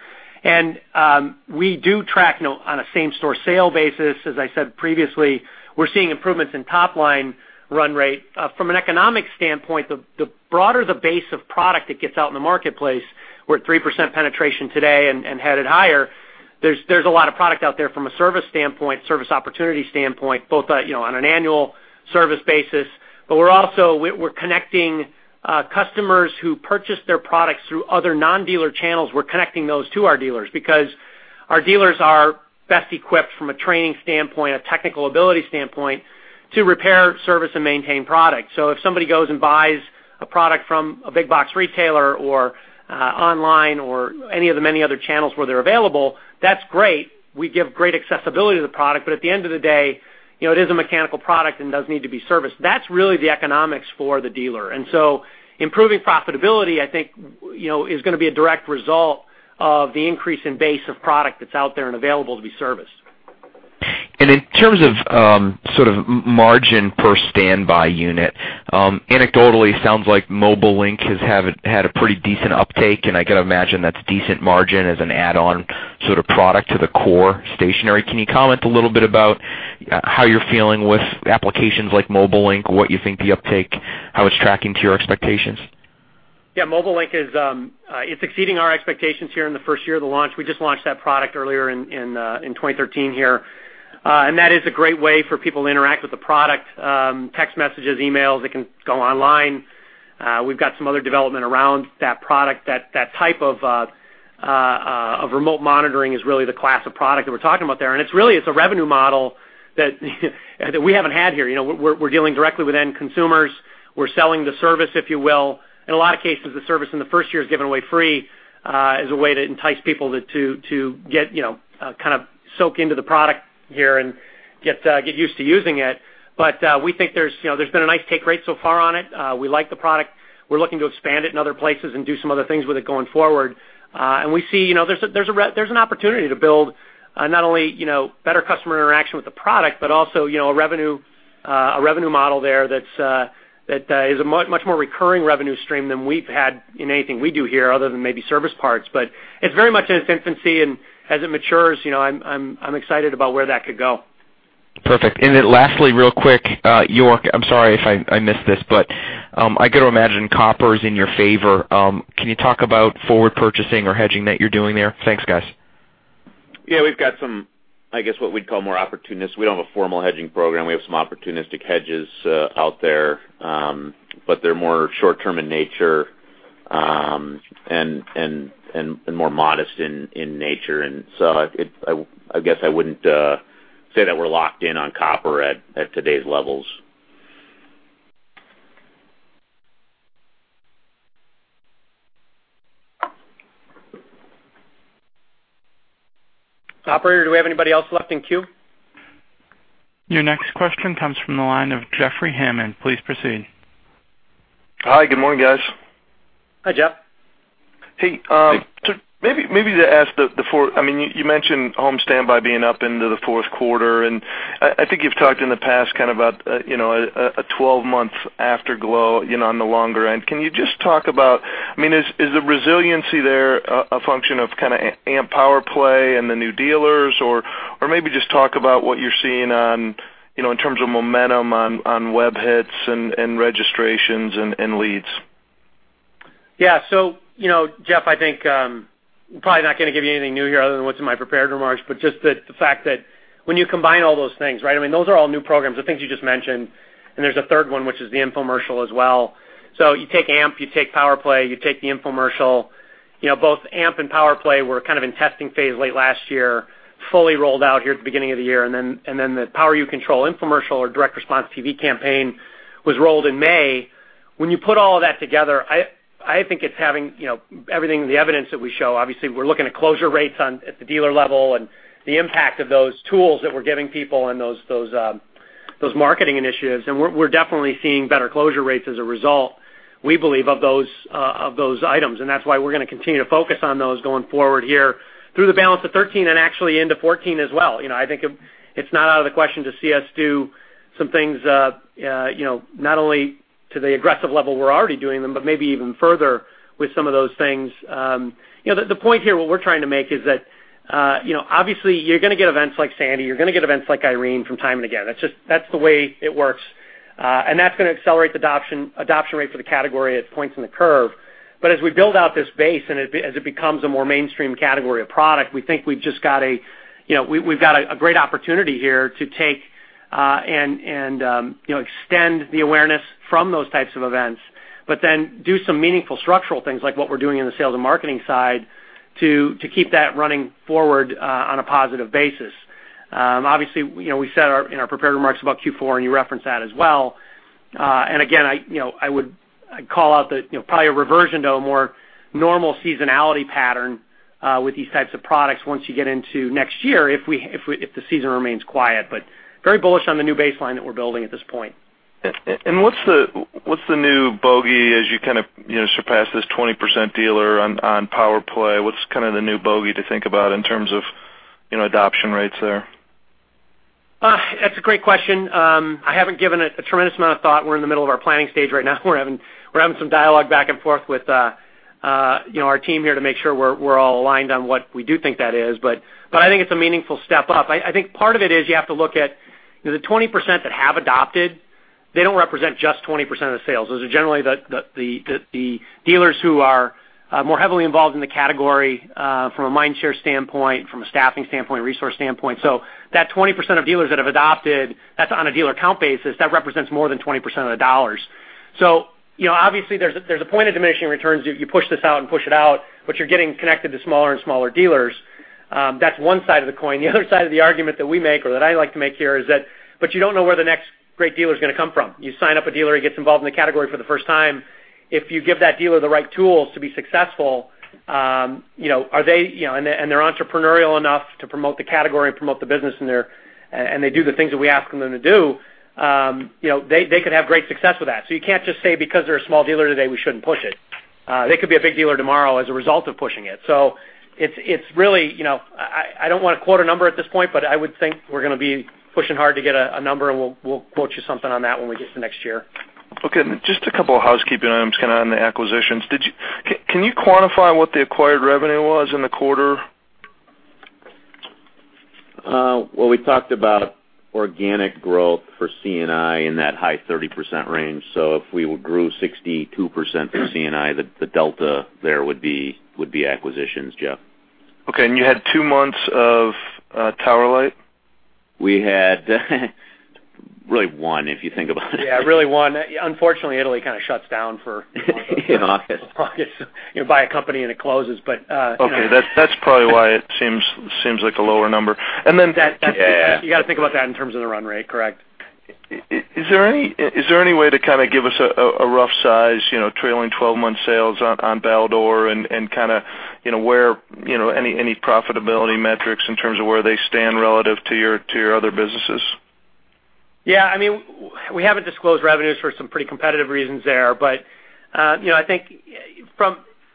We do track on a same-store sale basis, as I said previously, we're seeing improvements in top-line run rate. From an economic standpoint, the broader the base of product that gets out in the marketplace, we're at 3% penetration today and headed higher. There's a lot of product out there from a service standpoint, service opportunity standpoint, both on an annual service basis, but we're also connecting customers who purchase their products through other non-dealer channels. We're connecting those to our dealers because our dealers are best equipped from a training standpoint, a technical ability standpoint, to repair, service, and maintain product. If somebody goes and buys a product from a big box retailer or online or any of the many other channels where they're available, that's great. We give great accessibility to the product, but at the end of the day, it is a mechanical product and does need to be serviced. That's really the economics for the dealer. Improving profitability, I think, is going to be a direct result of the increase in base of product that's out there and available to be serviced. In terms of margin per standby unit, anecdotally, sounds like Mobile Link has had a pretty decent uptake, and I could imagine that's decent margin as an add-on product to the core stationary. Can you comment a little bit about how you're feeling with applications like Mobile Link? What you think the uptake, how it's tracking to your expectations? Yeah, Mobile Link is exceeding our expectations here in the first year of the launch. We just launched that product earlier in 2013 here. That is a great way for people to interact with the product. Text messages, emails, it can go online. We've got some other development around that product. That type of remote monitoring is really the class of product that we're talking about there. It's a revenue model that we haven't had here. We're dealing directly with end consumers. We're selling the service, if you will. In a lot of cases, the service in the first year is given away free as a way to entice people to get kind of soak into the product here and get used to using it. We think there's been a nice take rate so far on it. We like the product. We're looking to expand it in other places and do some other things with it going forward. We see there's an opportunity to build not only better customer interaction with the product, but also a revenue model there that is a much more recurring revenue stream than we've had in anything we do here other than maybe service parts. It's very much in its infancy, and as it matures, I'm excited about where that could go. Perfect. Lastly, real quick, York, I'm sorry if I missed this, I could imagine copper is in your favor. Can you talk about forward purchasing or hedging that you're doing there? Thanks, guys. Yeah, we've got some, I guess, what we'd call more opportunist. We don't have a formal hedging program. We have some opportunistic hedges out there. They're more short-term in nature and more modest in nature. I guess I wouldn't say that we're locked in on copper at today's levels. Operator, do we have anybody else left in queue? Your next question comes from the line of Jeffrey Hammond. Please proceed. Hi. Good morning, guys. Hi, Jeff. Hey, maybe to ask You mentioned home standby being up into the fourth quarter, and I think you've talked in the past about a 12-month afterglow on the longer end. Can you just talk about, is the resiliency there a function of A.M.P. PowerPlay and the new dealers, or maybe just talk about what you're seeing in terms of momentum on web hits and registrations and leads? Yeah. Jeff, I think I'm probably not going to give you anything new here other than what's in my prepared remarks, just the fact that when you combine all those things, right? Those are all new programs, the things you just mentioned, and there's a third one, which is the infomercial as well. You take A.M.P., you take PowerPlay, you take the infomercial. Both A.M.P. and PowerPlay were in testing phase late last year, fully rolled out here at the beginning of the year, and then the Power You Control infomercial or direct response TV campaign was rolled in May. When you put all of that together, I think it's having everything, the evidence that we show. Obviously, we're looking at closure rates at the dealer level and the impact of those tools that we're giving people and those marketing initiatives, we're definitely seeing better closure rates as a result, we believe, of those items. That's why we're going to continue to focus on those going forward here through the balance of 2013 and actually into 2014 as well. I think it's not out of the question to see us do some things not only to the aggressive level we're already doing them, but maybe even further with some of those things. The point here, what we're trying to make is that obviously you're going to get events like Sandy, you're going to get events like Irene from time and again. That's the way it works. That's going to accelerate the adoption rate for the category at points in the curve. As we build out this base and as it becomes a more mainstream category of product, we think we've got a great opportunity here to take and extend the awareness from those types of events, then do some meaningful structural things like what we're doing in the sales and marketing side to keep that running forward on a positive basis. Obviously, we said in our prepared remarks about Q4, you referenced that as well. Again, I would call out probably a reversion to a more normal seasonality pattern with these types of products once you get into next year, if the season remains quiet. Very bullish on the new baseline that we're building at this point. What's the new bogey as you kind of surpass this 20% dealer on PowerPlay? What's kind of the new bogey to think about in terms of adoption rates there? That's a great question. I haven't given it a tremendous amount of thought. We're in the middle of our planning stage right now. We're having some dialogue back and forth with our team here to make sure we're all aligned on what we do think that is. I think it's a meaningful step up. I think part of it is you have to look at the 20% that have adopted, they don't represent just 20% of the sales. Those are generally the dealers who are more heavily involved in the category, from a mind share standpoint, from a staffing standpoint, resource standpoint. That 20% of dealers that have adopted, that's on a dealer count basis, that represents more than 20% of the dollars. Obviously, there's a point of diminishing returns. You push this out and push it out, but you're getting connected to smaller and smaller dealers. That's one side of the coin. The other side of the argument that we make or that I like to make here is that, you don't know where the next great dealer's going to come from. You sign up a dealer, he gets involved in the category for the first time. If you give that dealer the right tools to be successful, and they're entrepreneurial enough to promote the category and promote the business, and they do the things that we ask them to do, they could have great success with that. You can't just say because they're a small dealer today, we shouldn't push it. They could be a big dealer tomorrow as a result of pushing it. I don't want to quote a number at this point, I would think we're going to be pushing hard to get a number and we'll quote you something on that when we get to next year. Okay. Just a couple of housekeeping items on the acquisitions. Can you quantify what the acquired revenue was in the quarter? We talked about organic growth for C&I in that high 30% range. If we grew 62% for C&I, the delta there would be acquisitions, Jeff. Okay. You had two months of Tower Light? We had really one, if you think about it. Yeah, really one. Unfortunately, Italy kind of shuts down. In August August. You buy a company, and it closes. Okay. That's probably why it seems like a lower number. You got to think about that in terms of the run rate. Correct. Is there any way to kind of give us a rough size, trailing 12 months sales on Baldor, and kind of any profitability metrics in terms of where they stand relative to your other businesses? Yeah, we haven't disclosed revenues for some pretty competitive reasons there. I think,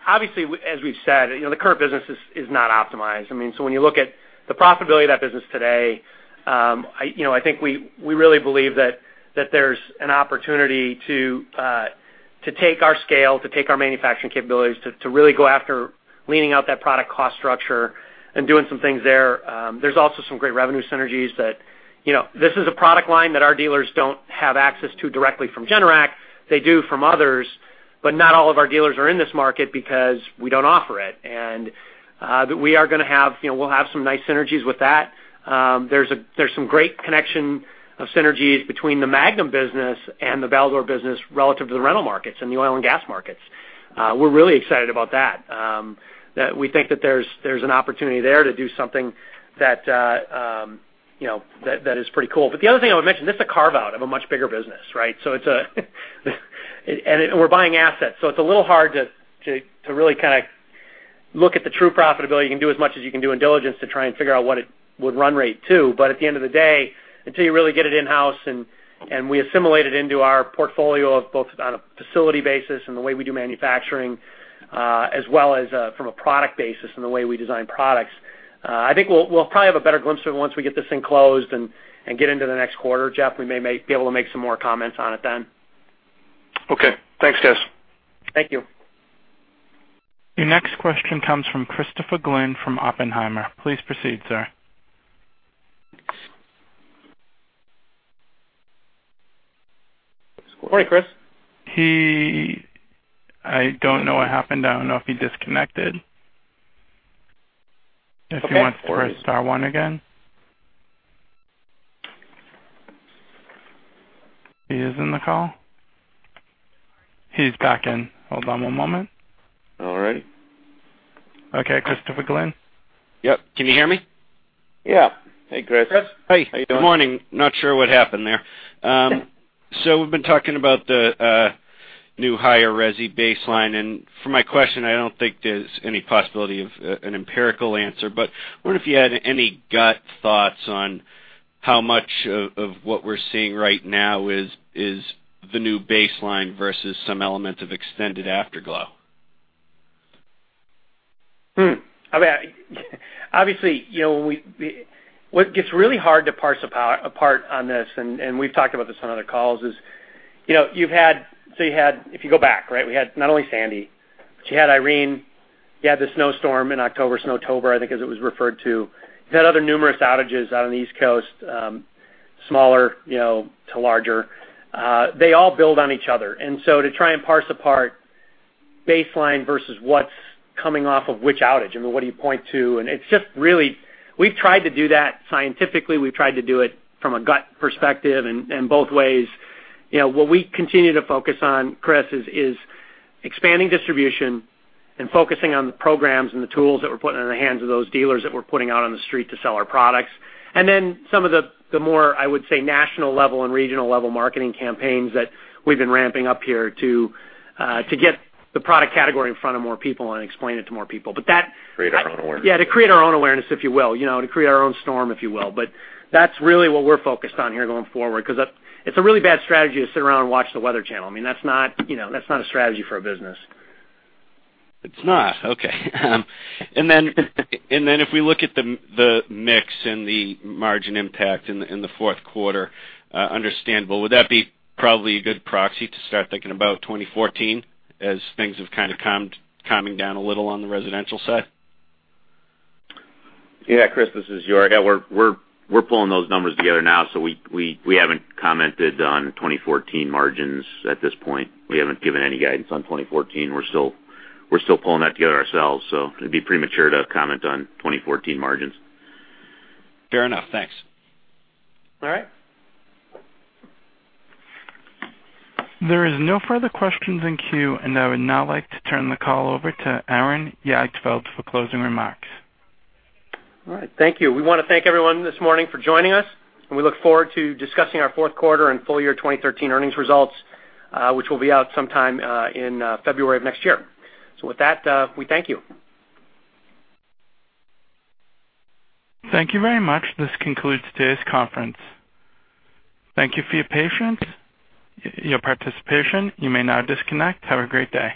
obviously, as we've said, the current business is not optimized. When you look at the profitability of that business today, I think we really believe that there's an opportunity to take our scale, to take our manufacturing capabilities, to really go after leaning out that product cost structure and doing some things there. There's also some great revenue synergies that this is a product line that our dealers don't have access to directly from Generac. They do from others, but not all of our dealers are in this market because we don't offer it. We'll have some nice synergies with that. There's some great connection of synergies between the Magnum business and the Baldor business relative to the rental markets and the oil and gas markets. We're really excited about that we think that there's an opportunity there to do something that is pretty cool. The other thing I would mention, this is a carve-out of a much bigger business, right? We're buying assets, so it's a little hard to really kind of look at the true profitability. You can do as much as you can do in diligence to try and figure out what it would run rate to. At the end of the day, until you really get it in-house and we assimilate it into our portfolio, both on a facility basis and the way we do manufacturing, as well as from a product basis and the way we design products, I think we'll probably have a better glimpse of it once we get this thing closed and get into the next quarter, Jeff. We may be able to make some more comments on it then. Okay. Thanks, guys. Thank you. Your next question comes from Christopher Glynn from Oppenheimer. Please proceed, sir. Morning, Chris. I don't know what happened. I don't know if he disconnected. Okay. If he wants to press star one again. He is in the call? He's back in. Hold on one moment. All right. Okay. Christopher Glynn. Yep. Can you hear me? Yeah. Hey, Chris. Chris. Hi. Good morning. Not sure what happened there. We've been talking about the new higher resi baseline, and for my question, I don't think there's any possibility of an empirical answer. I wonder if you had any gut thoughts on how much of what we're seeing right now is the new baseline versus some element of extended afterglow. Obviously, what gets really hard to parse apart on this, and we've talked about this on other calls, is if you go back, we had not only Sandy, but you had Irene, you had the snowstorm in October, Snowtober, I think, as it was referred to. You've had other numerous outages out on the East Coast, smaller to larger. They all build on each other. To try and parse apart baseline versus what's coming off of which outage, I mean, what do you point to? It's just really, we've tried to do that scientifically. We've tried to do it from a gut perspective and both ways. What we continue to focus on, Chris, is expanding distribution and focusing on the programs and the tools that we're putting in the hands of those dealers that we're putting out on the street to sell our products. Some of the more, I would say, national level and regional level marketing campaigns that we've been ramping up here to get the product category in front of more people and explain it to more people. That. Create our own awareness. To create our own awareness, if you will, to create our own storm, if you will. That's really what we're focused on here going forward, because it's a really bad strategy to sit around and watch the Weather Channel. I mean, that's not a strategy for a business. It's not. Okay. If we look at the mix and the margin impact in the fourth quarter, understandable. Would that be probably a good proxy to start thinking about 2014 as things have kind of calming down a little on the residential side? Yeah, Chris, this is York. We're pulling those numbers together now. We haven't commented on 2014 margins at this point. We haven't given any guidance on 2014. We're still pulling that together ourselves. It'd be premature to comment on 2014 margins. Fair enough. Thanks. All right. There is no further questions in queue. I would now like to turn the call over to Aaron Jagdfeld for closing remarks. All right. Thank you. We want to thank everyone this morning for joining us, and we look forward to discussing our fourth quarter and full year 2013 earnings results, which will be out sometime in February of next year. With that, we thank you. Thank you very much. This concludes today's conference. Thank you for your patience, your participation. You may now disconnect. Have a great day.